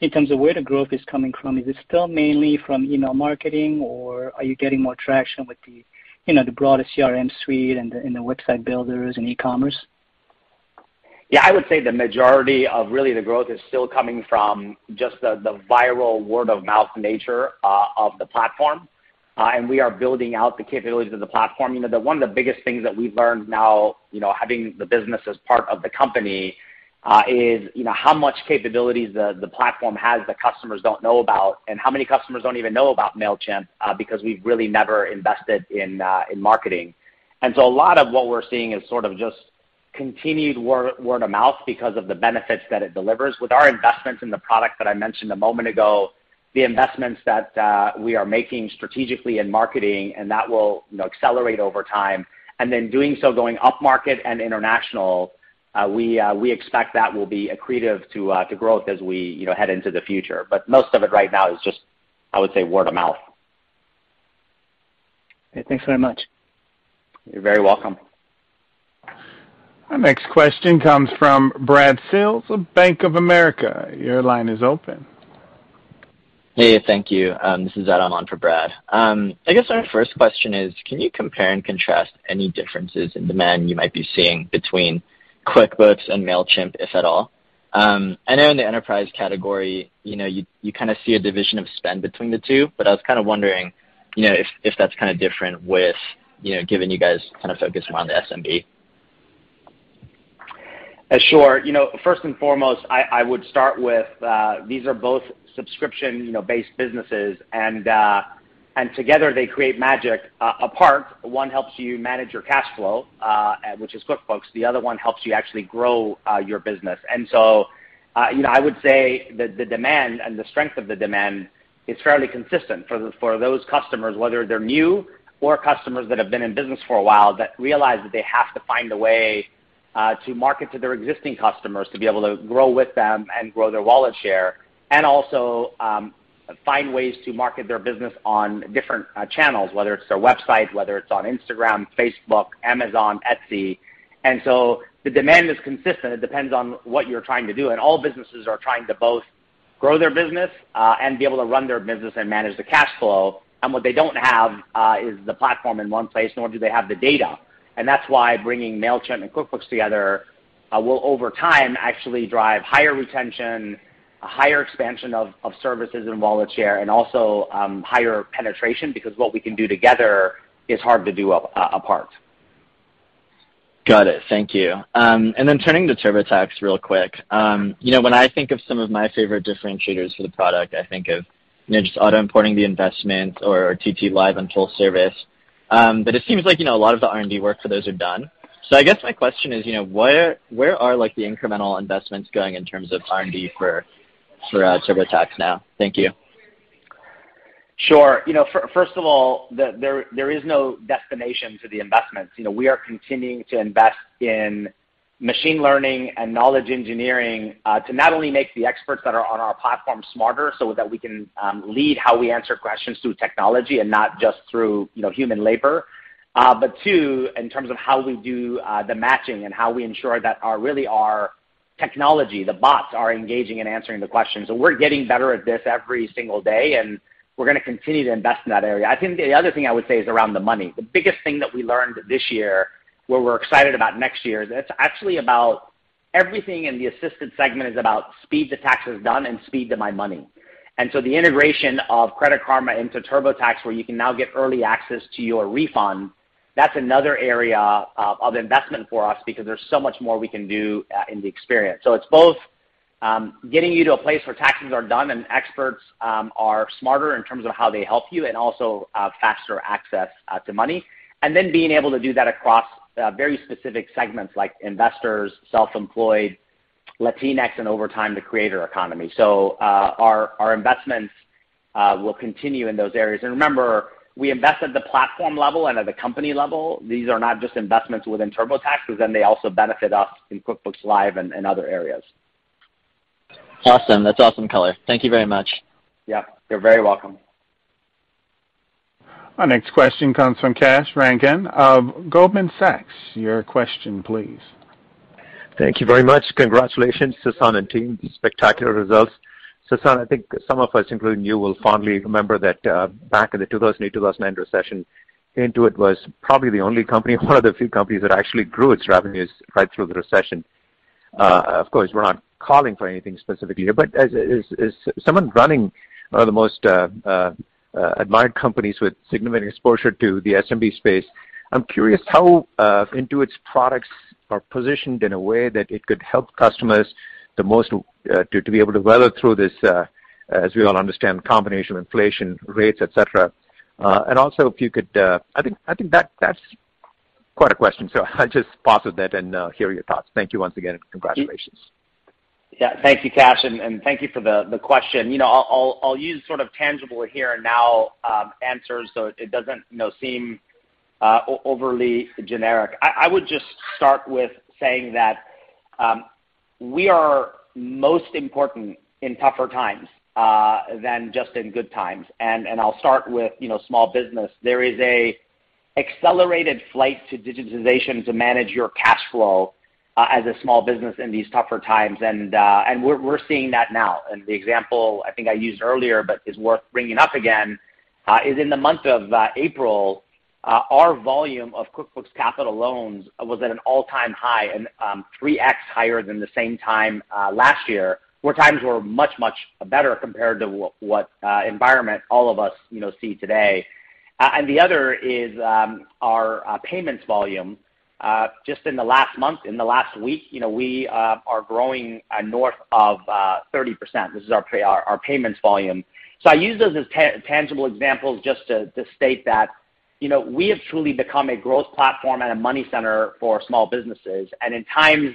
in terms of where the growth is coming from. Is it still mainly from email marketing, or are you getting more traction with the, you know, the broader CRM suite and the website builders and e-commerce? Yeah, I would say the majority of really the growth is still coming from just the viral word-of-mouth nature of the platform. We are building out the capabilities of the platform. You know, the one of the biggest things that we've learned now, you know, having the business as part of the company, is, you know, how much capabilities the platform has that customers don't know about and how many customers don't even know about Mailchimp because we've really never invested in in marketing. A lot of what we're seeing is sort of just continued word of mouth because of the benefits that it delivers. With our investments in the product that I mentioned a moment ago, the investments that we are making strategically in marketing, and that will accelerate over time. Doing so going upmarket and international, we expect that will be accretive to growth as we, you know, head into the future. Most of it right now is just, I would say, word of mouth. Thanks very much. You're very welcome. Our next question comes from Brad Sills of Bank of America. Your line is open. Hey, thank you. This is Ed Alman for Brad. I guess my first question is, can you compare and contrast any differences in demand you might be seeing between QuickBooks and Mailchimp, if at all? I know in the enterprise category, you know, you kind of see a division of spend between the two, but I was kind of wondering, you know, if that's kind of different with, you know, given you guys kind of focus around the SMB. Sure. You know, first and foremost, I would start with these are both subscription, you know, based businesses and together they create magic. One helps you manage your cash flow, which is QuickBooks. The other one helps you actually grow your business. You know, I would say the demand and the strength of the demand is fairly consistent for those customers, whether they're new or customers that have been in business for a while, that realize that they have to find a way to market to their existing customers to be able to grow with them and grow their wallet share. Also, find ways to market their business on different channels, whether it's their website, whether it's on Instagram, Facebook, Amazon, Etsy. The demand is consistent. It depends on what you're trying to do. All businesses are trying to both grow their business and be able to run their business and manage the cash flow. What they don't have is the platform in one place, nor do they have the data. That's why bringing Mailchimp and QuickBooks together will over time actually drive higher retention, a higher expansion of services and wallet share and also higher penetration because what we can do together is hard to do apart. Got it. Thank you. Turning to TurboTax real quick. You know, when I think of some of my favorite differentiators for the product, I think of, you know, just auto importing the investment or TurboTax Live and full service. It seems like, you know, a lot of the R&D work for those are done. I guess my question is, you know, where are like the incremental investments going in terms of R&D for TurboTax now? Thank you. Sure. You know, first of all, there is no destination to the investments. You know, we are continuing to invest in machine learning and knowledge engineering to not only make the experts that are on our platform smarter so that we can lead how we answer questions through technology and not just through, you know, human labor. Two, in terms of how we do the matching and how we ensure that our technology, the bots are engaging and answering the questions. We're getting better at this every single day, and we're gonna continue to invest in that area. I think the other thing I would say is around the money. The biggest thing that we learned this year, where we're excited about next year, that's actually about everything in the assisted segment. It's about speed to taxes done and speed to my money. The integration of Credit Karma into TurboTax, where you can now get early access to your refund, that's another area of investment for us because there's so much more we can do in the experience. It's both getting you to a place where taxes are done and experts are smarter in terms of how they help you and also faster access to money. Being able to do that across very specific segments like investors, self-employed, Latinx, and over time, the creator economy. Our investments will continue in those areas. Remember, we invest at the platform level and at the company level. These are not just investments within TurboTax, because then they also benefit us in QuickBooks Live and other areas. Awesome. That's awesome color. Thank you very much. Yeah, you're very welcome. Our next question comes from Kash Rangan of Goldman Sachs. Your question, please. Thank you very much. Congratulations, Sasan and team. Spectacular results. Sasan, I think some of us, including you, will fondly remember that back in the 2008, 2009 recession, Intuit was probably the only company or one of the few companies that actually grew its revenues right through the recession. Of course, we're not calling for anything specific here, but as someone running one of the most admired companies with significant exposure to the SMB space, I'm curious how Intuit's products are positioned in a way that it could help customers the most to be able to weather through this, as we all understand, combination of inflation rates, et cetera. Also if you could, I think that's quite a question. I'll just pause with that and hear your thoughts. Thank you once again, and congratulations. Yeah. Thank you, Kash, and thank you for the question. You know, I'll use sort of tangible here and now answers so it doesn't you know seem overly generic. I would just start with saying that we are most important in tougher times than just in good times. I'll start with, you know, small business. There is an accelerated flight to digitization to manage your cash flow as a small business in these tougher times, and we're seeing that now. The example I think I used earlier but is worth bringing up again is in the month of April, our volume of QuickBooks Capital loans was at an all-time high and 3x higher than the same time last year, where times were much better compared to what environment all of us, you know, see today. The other is our payments volume. Just in the last month, in the last week, you know, we are growing north of 30%. This is our payments volume. I use those as tangible examples just to state that, you know, we have truly become a growth platform and a money center for small businesses. In times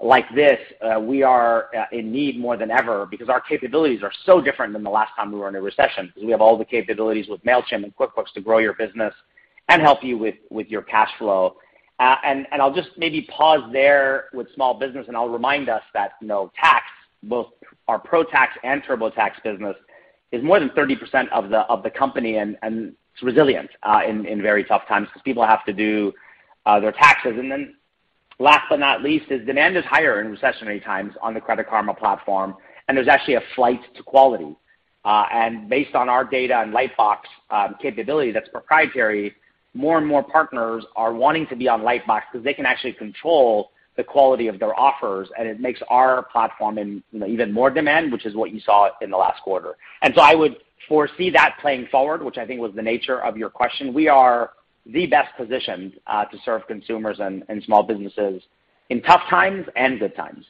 like this, we are in need more than ever because our capabilities are so different than the last time we were in a recession because we have all the capabilities with Mailchimp and QuickBooks to grow your business and help you with your cash flow. I'll just maybe pause there with small business, and I'll remind us that, you know, tax, both our ProConnect and TurboTax business, is more than 30% of the company and it's resilient in very tough times because people have to do their taxes. Then last but not least, demand is higher in recessionary times on the Credit Karma platform, and there's actually a flight to quality. Based on our data and Lightbox capability that's proprietary, more and more partners are wanting to be on Lightbox because they can actually control the quality of their offers, and it makes our platform in even more demand, which is what you saw in the last quarter. I would foresee that playing forward, which I think was the nature of your question. We are the best positioned to serve consumers and small businesses in tough times and good times.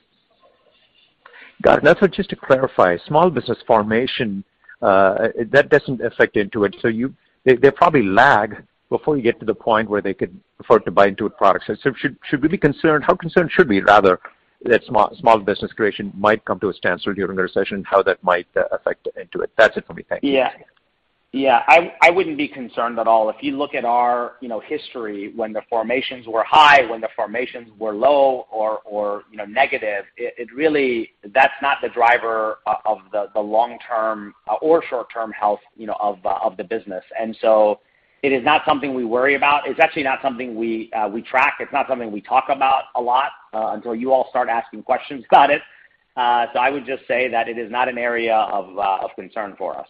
Got it. Also, just to clarify, small business formation that doesn't affect Intuit. They probably lag before you get to the point where they could prefer to buy Intuit products. Should we be concerned? How concerned should we, rather, that small business creation might come to a standstill during the recession, how that might affect Intuit? That's it for me. Thank you. Yeah. Yeah. I wouldn't be concerned at all. If you look at our, you know, history when the formations were high, when the formations were low or, you know, negative, it really that's not the driver of the long-term or short-term health, you know, of the business. So it is not something we worry about. It's actually not something we track. It's not something we talk about a lot until you all start asking questions about it. So I would just say that it is not an area of concern for us.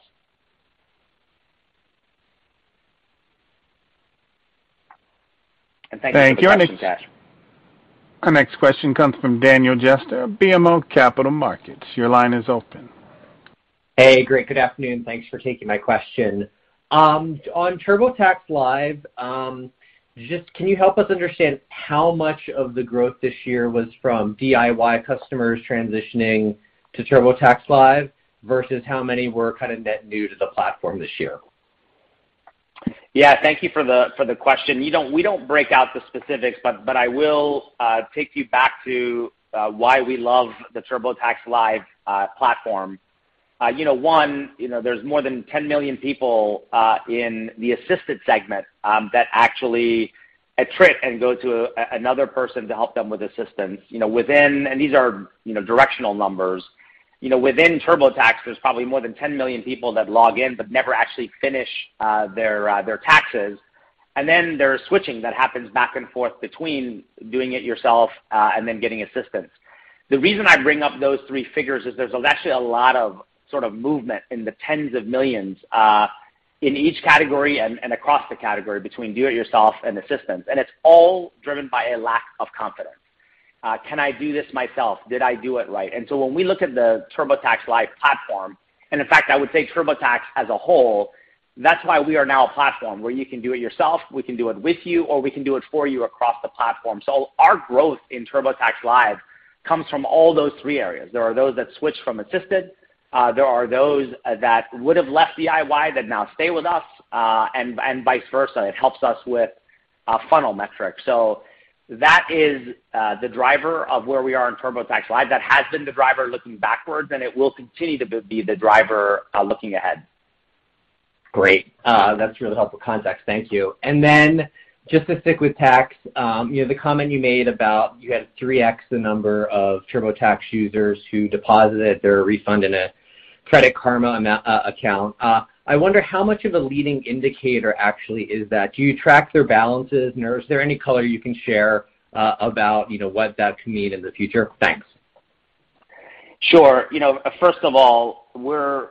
Thank you for the question, Kash. Thank you. Our next question comes from Daniel Jester, BMO Capital Markets. Your line is open. Hey, great. Good afternoon. Thanks for taking my question. On TurboTax Live, just can you help us understand how much of the growth this year was from DIY customers transitioning to TurboTax Live versus how many were kind of net new to the platform this year? Yeah. Thank you for the question. We don't break out the specifics, but I will take you back to why we love the TurboTax Live platform. You know, there's more than 10 million people in the assisted segment that actually attrit and go to another person to help them with assistance. You know, these are directional numbers. You know, within TurboTax, there's probably more than 10 million people that log in but never actually finish their taxes. There are switching that happens back and forth between doing it yourself and getting assistance. The reason I bring up those three figures is there's actually a lot of sort of movement in the tens of millions, in each category and across the category between do it yourself and assistance. It's all driven by a lack of confidence. Can I do this myself? Did I do it right? When we look at the TurboTax Live platform, and in fact, I would say TurboTax as a whole, that's why we are now a platform where you can do it yourself, we can do it with you, or we can do it for you across the platform. Our growth in TurboTax Live comes from all those three areas. There are those that switch from assisted, there are those that would have left DIY that now stay with us, and vice versa. It helps us with funnel metrics. That is the driver of where we are in TurboTax Live. That has been the driver looking backwards, and it will continue to be the driver looking ahead. Great. That's really helpful context. Thank you. Just to stick with tax, you know, the comment you made about you had 3x the number of TurboTax users who deposited their refund in a Credit Karma Money account. I wonder how much of a leading indicator actually is that. Do you track their balances? You know, is there any color you can share about, you know, what that could mean in the future? Thanks. Sure. You know, first of all, we're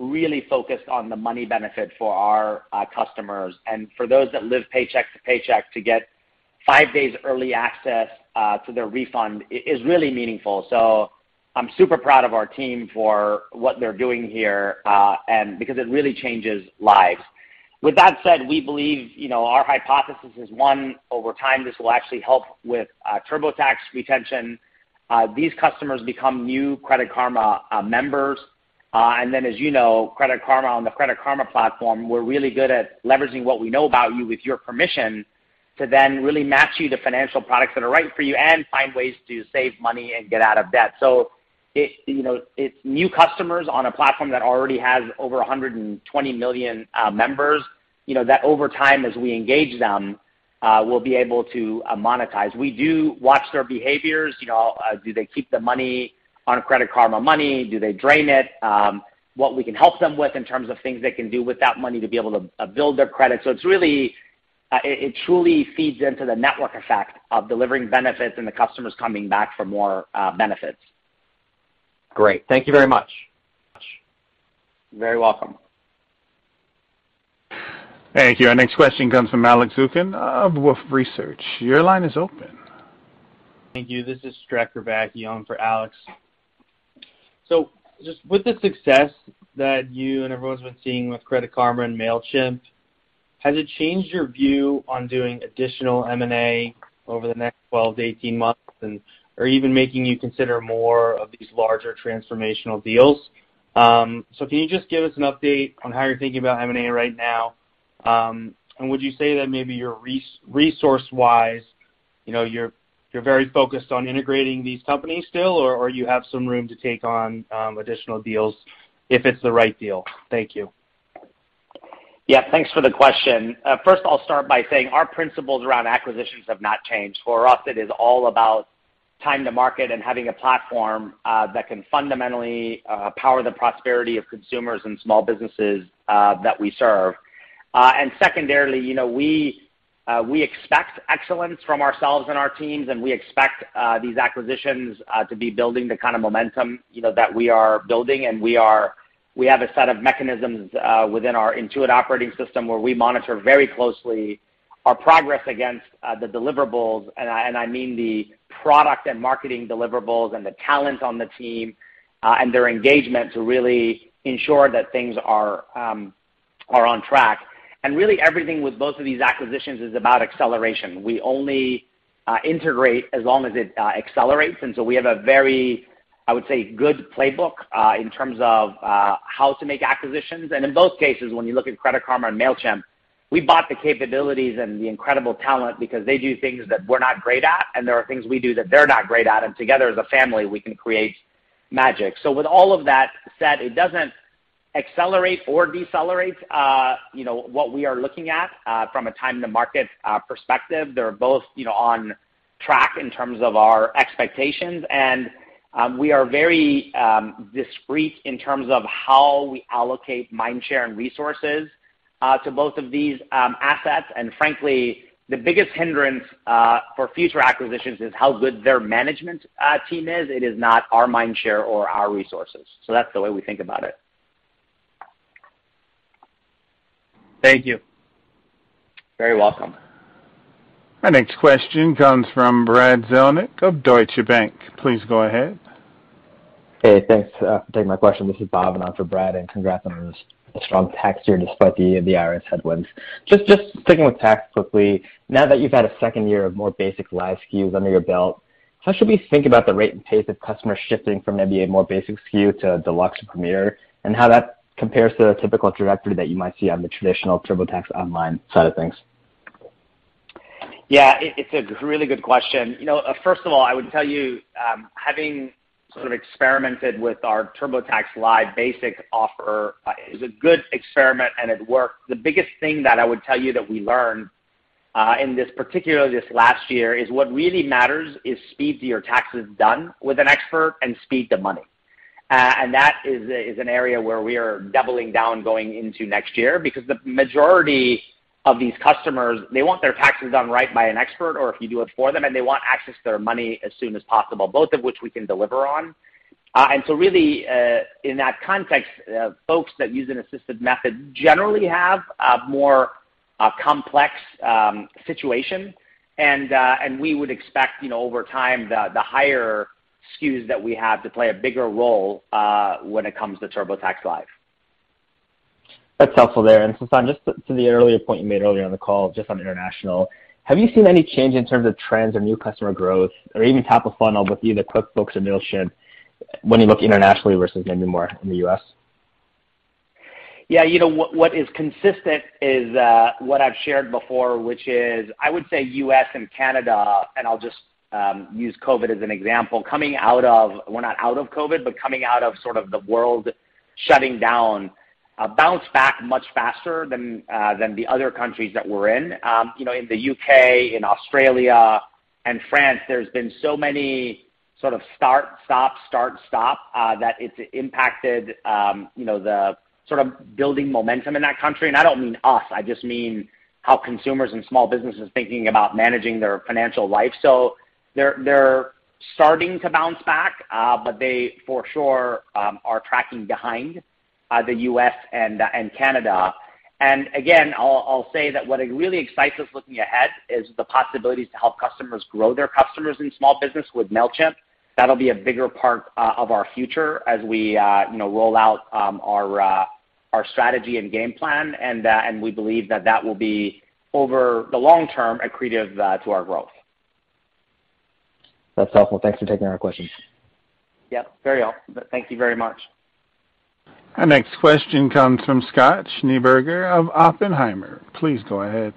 really focused on the money benefit for our customers. For those that live paycheck to paycheck, to get five days early access to their refund is really meaningful. I'm super proud of our team for what they're doing here, and because it really changes lives. With that said, we believe, you know, our hypothesis is, one, over time, this will actually help with TurboTax retention. These customers become new Credit Karma members. And then as you know, Credit Karma on the Credit Karma platform, we're really good at leveraging what we know about you with your permission to then really match you the financial products that are right for you and find ways to save money and get out of debt. You know, it's new customers on a platform that already has over 120 million members, you know, that over time, as we engage them, we'll be able to monetize. We do watch their behaviors. You know, do they keep the money on Credit Karma Money? Do they drain it? What we can help them with in terms of things they can do with that money to be able to build their credit. It truly feeds into the network effect of delivering benefits and the customers coming back for more benefits. Great. Thank you very much. You're very welcome. Thank you. Our next question comes from Alex Zukin of Wolfe Research. Your line is open. Thank you. This is Allan Verkhovski on for Alex. Just with the success that you and everyone's been seeing with Credit Karma and Mailchimp, has it changed your view on doing additional M&A over the next 12-18 months or even making you consider more of these larger transformational deals? Can you just give us an update on how you're thinking about M&A right now? Would you say that maybe you're resource-wise, you know, you're very focused on integrating these companies still, or you have some room to take on additional deals if it's the right deal? Thank you. Yeah, thanks for the question. First, I'll start by saying our principles around acquisitions have not changed. For us, it is all about time to market and having a platform that can fundamentally power the prosperity of consumers and small businesses that we serve. Secondarily, you know, we expect excellence from ourselves and our teams, and we expect these acquisitions to be building the kind of momentum, you know, that we are building, and we have a set of mechanisms within our Intuit operating system where we monitor very closely our progress against the deliverables. I mean the product and marketing deliverables and the talent on the team and their engagement to really ensure that things are on track. Really everything with both of these acquisitions is about acceleration. We only integrate as long as it accelerates, and so we have a very, I would say, good playbook in terms of how to make acquisitions. In both cases, when you look at Credit Karma and Mailchimp, we bought the capabilities and the incredible talent because they do things that we're not great at, and there are things we do that they're not great at, and together as a family, we can create magic. With all of that said, it doesn't accelerate or decelerate, you know, what we are looking at from a time to market perspective. They're both, you know, on track in terms of our expectations. We are very discreet in terms of how we allocate mind share and resources to both of these assets. Frankly, the biggest hindrance for future acquisitions is how good their management team is. It is not our mind share or our resources. That's the way we think about it. Thank you. Very welcome. Our next question comes from Brad Zelnick of Deutsche Bank. Please go ahead. Hey, thanks for taking my question. This is Bob, and I'm for Brad. Congrats on this strong tax year despite the IRS headwinds. Just sticking with tax quickly. Now that you've had a second year of more basic live SKUs under your belt, how should we think about the rate and pace of customers shifting from maybe a more basic SKU to deluxe to premier, and how that compares to the typical trajectory that you might see on the traditional TurboTax online side of things? Yeah. It's a really good question. You know, first of all, I would tell you, having sort of experimented with our TurboTax Live Basic offer, is a good experiment, and it worked. The biggest thing that I would tell you that we learned, in this, particularly this last year, is what really matters is speed to your taxes done with an expert and speed to money. That is an area where we are doubling down going into next year because the majority of these customers, they want their taxes done right by an expert or if you do it for them, and they want access to their money as soon as possible, both of which we can deliver on. Really, in that context, folks that use an assisted method generally have a more complex situation. We would expect, you know, over time, the higher SKUs that we have to play a bigger role when it comes to TurboTax Live. That's helpful there. Sasan, just to the earlier point you made earlier on the call, just on international, have you seen any change in terms of trends or new customer growth or even top of funnel with either QuickBooks or Mailchimp when you look internationally versus maybe more in the U.S.? Yeah. You know, what is consistent is what I've shared before, which is, I would say U.S. and Canada, and I'll just use COVID as an example. Coming out of. We're not out of COVID, but coming out of sort of the world shutting down bounced back much faster than the other countries that we're in. You know, in the U.K., in Australia, and France, there's been so many sort of start, stop, start, stop that it's impacted you know, the sort of building momentum in that country. And I don't mean us, I just mean how consumers and small businesses thinking about managing their financial life. They're starting to bounce back, but they for sure are tracking behind the U.S. and Canada. Again, I'll say that what really excites us looking ahead is the possibilities to help customers grow their customers in small business with Mailchimp. That'll be a bigger part of our future as we you know roll out our strategy and game plan. We believe that will be over the long term accretive to our growth. That's helpful. Thanks for taking our questions. Yeah, very well. Thank you very much. Our next question comes from Scott Schneeberger of Oppenheimer. Please go ahead.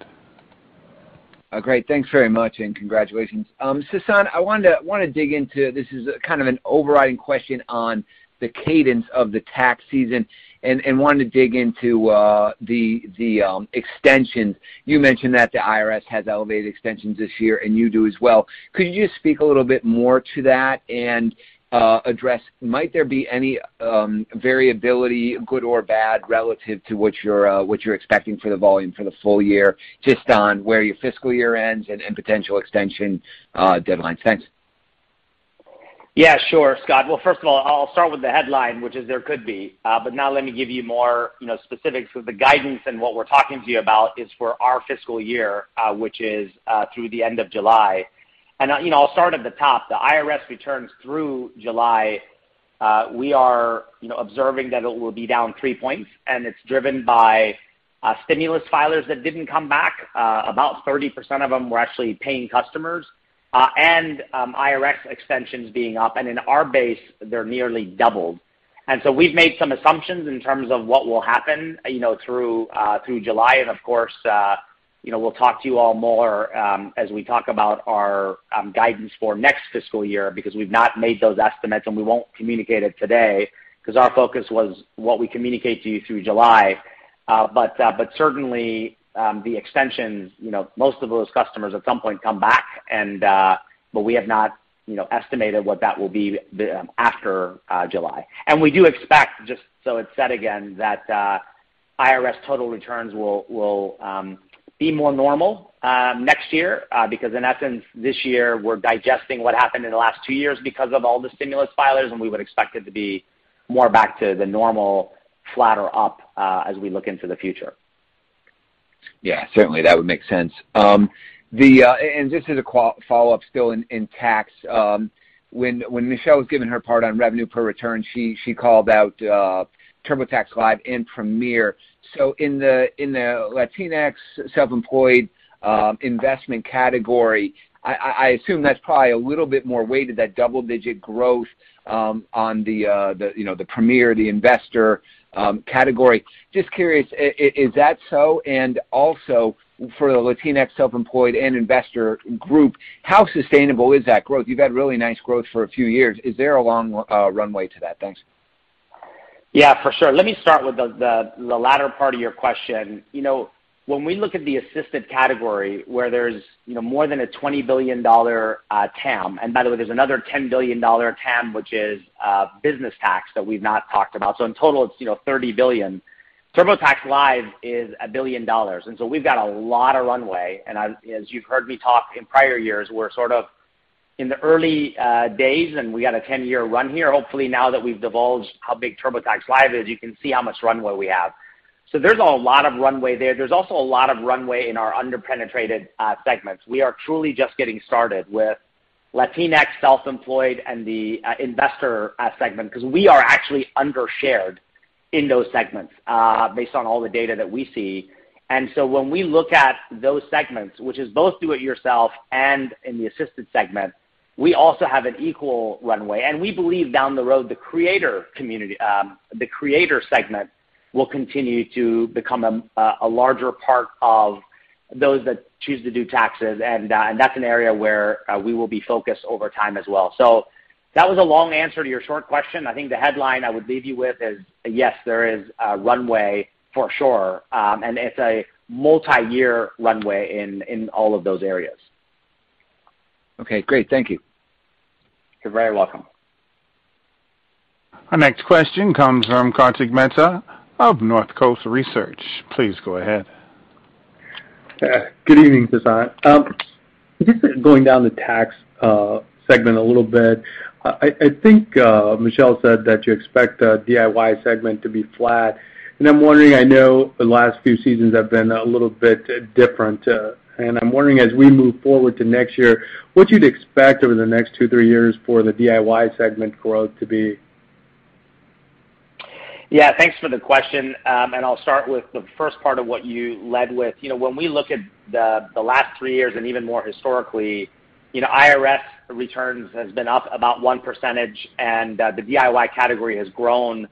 Great. Thanks very much, and congratulations. Sasan, I wanted to dig into, this is kind of an overriding question on the cadence of the tax season and wanted to dig into the extensions. You mentioned that the IRS has elevated extensions this year, and you do as well. Could you just speak a little bit more to that and address might there be any variability, good or bad, relative to what you're expecting for the volume for the full year, just on where your fiscal year ends and potential extension deadlines? Thanks. Yeah, sure, Scott. Well, first of all, I'll start with the headline, but now let me give you more, you know, specifics with the guidance and what we're talking to you about is for our fiscal year, which is through the end of July. You know, I'll start at the top. The IRS returns through July, we are, you know, observing that it will be down 3 points, and it's driven by stimulus filers that didn't come back, about 30% of them were actually paying customers, and IRS extensions being up. In our base, they're nearly doubled. We've made some assumptions in terms of what will happen, you know, through July. Of course, you know, we'll talk to you all more, as we talk about our guidance for next fiscal year because we've not made those estimates, and we won't communicate it today 'cause our focus was what we communicate to you through July. But certainly, the extensions, you know, most of those customers at some point come back and, but we have not, you know, estimated what that will be the after July. We do expect, just so it's said again, that IRS total returns will be more normal next year, because in essence this year we're digesting what happened in the last two years because of all the stimulus filers, and we would expect it to be more back to the normal flat or up, as we look into the future. Yeah, certainly that would make sense. Just as a quick follow-up still in tax, when Michelle was giving her part on revenue per return, she called out TurboTax Live and TurboTax Premier. In the Latinx self-employed investment category, I assume that's probably a little bit more weighted, that double-digit growth on the, you know, the TurboTax Premier, the investor category. Just curious, is that so? Also, for the Latinx self-employed and investor group, how sustainable is that growth? You've had really nice growth for a few years. Is there a long runway to that? Thanks. Yeah, for sure. Let me start with the latter part of your question. You know, when we look at the assisted category where there's, you know, more than a $20 billion TAM, and by the way, there's another $10 billion TAM, which is business tax that we've not talked about. In total it's, you know, $30 billion. TurboTax Live is $1 billion, and so we've got a lot of runway. As you've heard me talk in prior years, we're sort of in the early days, and we got a 10-year run here. Hopefully, now that we've divulged how big TurboTax Live is, you can see how much runway we have. There's a lot of runway there. There's also a lot of runway in our under-penetrated segments. We are truly just getting started with Latinx self-employed and the investor segment because we are actually under-shared in those segments based on all the data that we see. When we look at those segments, which is both do it yourself and in the assisted segment, we also have an equal runway. We believe down the road, the creator community, the creator segment will continue to become a larger part of those that choose to do taxes. That's an area where we will be focused over time as well. That was a long answer to your short question. I think the headline I would leave you with is, yes, there is a runway for sure. It's a multiyear runway in all of those areas. Okay, great. Thank you. You're very welcome. Our next question comes from Kartik Mehta of Northcoast Research. Please go ahead. Good evening, Sasan. Just going down the tax segment a little bit. I think Michelle said that you expect the DIY segment to be flat, and I'm wondering. I know the last few seasons have been a little bit different. I'm wondering, as we move forward to next year, what you'd expect over the next two, three years for the DIY segment growth to be. Yeah, thanks for the question. I'll start with the first part of what you led with. You know, when we look at the last three years and even more historically, you know, IRS returns has been up about 1%, and the DIY category has grown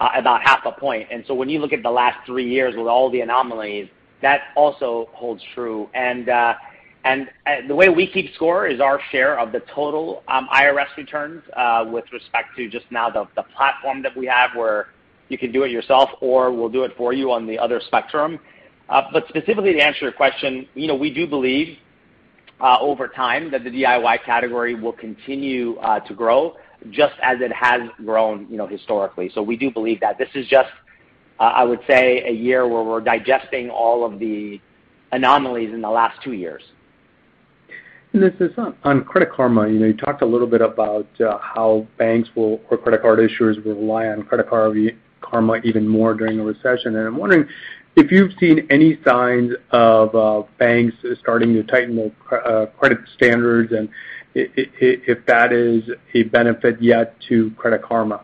about half a point. When you look at the last three years with all the anomalies, that also holds true. The way we keep score is our share of the total IRS returns with respect to just now the platform that we have where you can do it yourself or we'll do it for you on the other spectrum. Specifically to answer your question, you know, we do believe over time that the DIY category will continue to grow just as it has grown, you know, historically. We do believe that. This is just, I would say, a year where we're digesting all of the anomalies in the last two years. This is on Credit Karma. You know, you talked a little bit about how banks will or credit card issuers will rely on Credit Karma even more during a recession. I'm wondering if you've seen any signs of banks starting to tighten their credit standards and if that is a benefit yet to Credit Karma.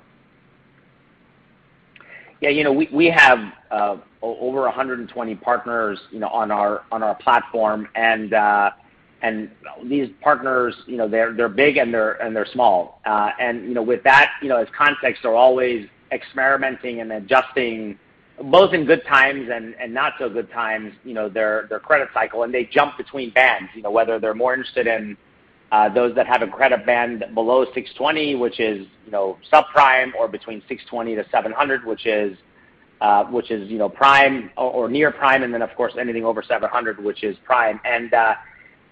Yeah. You know, we have over 100 partners, you know, on our platform. These partners, you know, they're big and they're small. You know, with that as context, they're always experimenting and adjusting both in good times and not so good times, you know, their credit cycle, and they jump between bands. You know, whether they're more interested in those that have a credit band below 620, which is, you know, subprime, or between 620-700, which is, you know, prime or near prime, and then of course anything over 700, which is prime.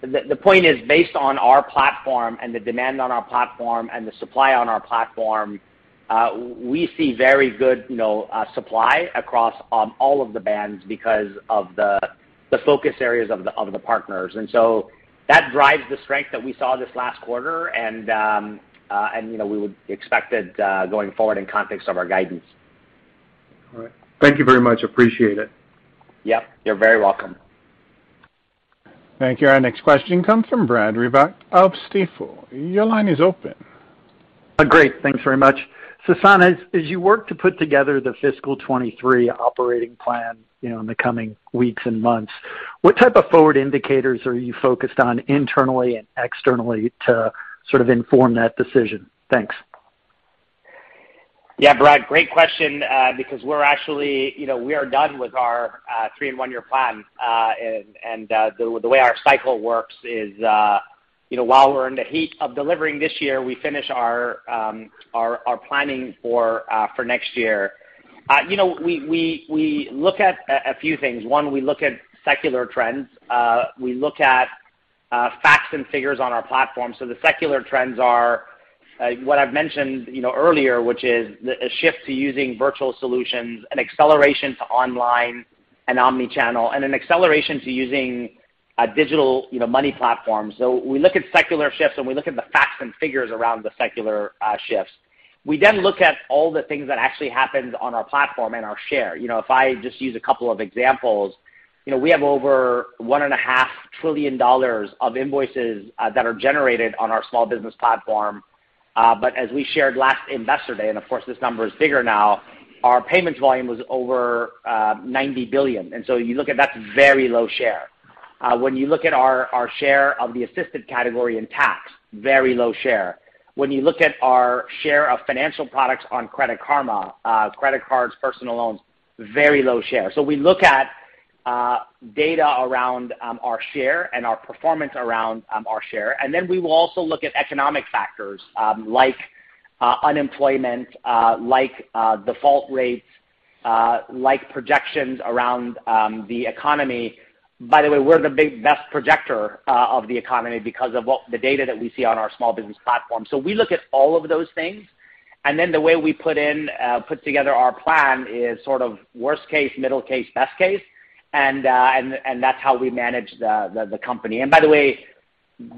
The point is, based on our platform and the demand on our platform and the supply on our platform, we see very good, you know, supply across all of the bands because of the focus areas of the partners. That drives the strength that we saw this last quarter, and you know, we would expect it going forward in context of our guidance. All right. Thank you very much. Appreciate it. Yep, you're very welcome. Thank you. Our next question comes from Brad Reback of Stifel. Your line is open. Great. Thanks very much. Sasan, as you work to put together the fiscal 2023 operating plan, you know, in the coming weeks and months, what type of forward indicators are you focused on internally and externally to sort of inform that decision? Thanks. Yeah, Brad. Great question, because we're actually, you know, we are done with our three and one year plan. The way our cycle works is, you know, while we're in the heat of delivering this year, we finish our planning for next year. You know, we look at a few things. One, we look at secular trends. We look at facts and figures on our platform. The secular trends are what I've mentioned, you know, earlier, which is a shift to using virtual solutions, an acceleration to online and omni-channel, and an acceleration to using a digital, you know, money platform. We look at secular shifts, and we look at the facts and figures around the secular shifts. We look at all the things that actually happened on our platform and our share. You know, if I just use a couple of examples, you know, we have over $1.5 trillion of invoices that are generated on our small business platform. As we shared last Investor Day, and of course this number is bigger now, our payments volume was over $90 billion. You look at, that's very low share. When you look at our share of the assisted category in tax, very low share. When you look at our share of financial products on Credit Karma, credit cards, personal loans, very low share. We look at data around our share and our performance around our share. We will also look at economic factors, like, unemployment, like, default rates, like projections around, the economy. By the way, we're the best projector of the economy because of what the data that we see on our small business platform. We look at all of those things. The way we put together our plan is sort of worst case, middle case, best case, and that's how we manage the company. By the way,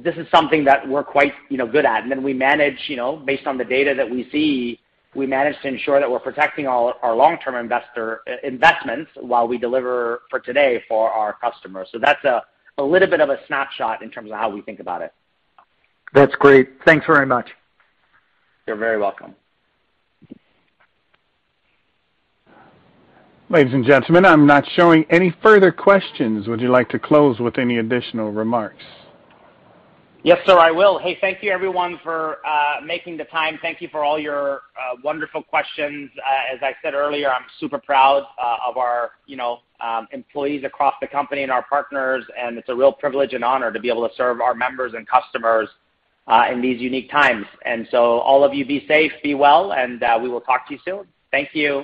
this is something that we're quite, you know, good at. We manage, you know, based on the data that we see, we manage to ensure that we're protecting all our long-term investor investments while we deliver for today for our customers. That's a little bit of a snapshot in terms of how we think about it. That's great. Thanks very much. You're very welcome. Ladies and gentlemen, I'm not showing any further questions. Would you like to close with any additional remarks? Yes, sir, I will. Hey, thank you everyone for making the time. Thank you for all your wonderful questions. As I said earlier, I'm super proud of our, you know, employees across the company and our partners, and it's a real privilege and honor to be able to serve our members and customers in these unique times. All of you be safe, be well, and we will talk to you soon. Thank you.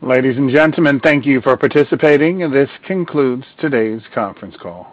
Ladies and gentlemen, thank you for participating. This concludes today's conference call.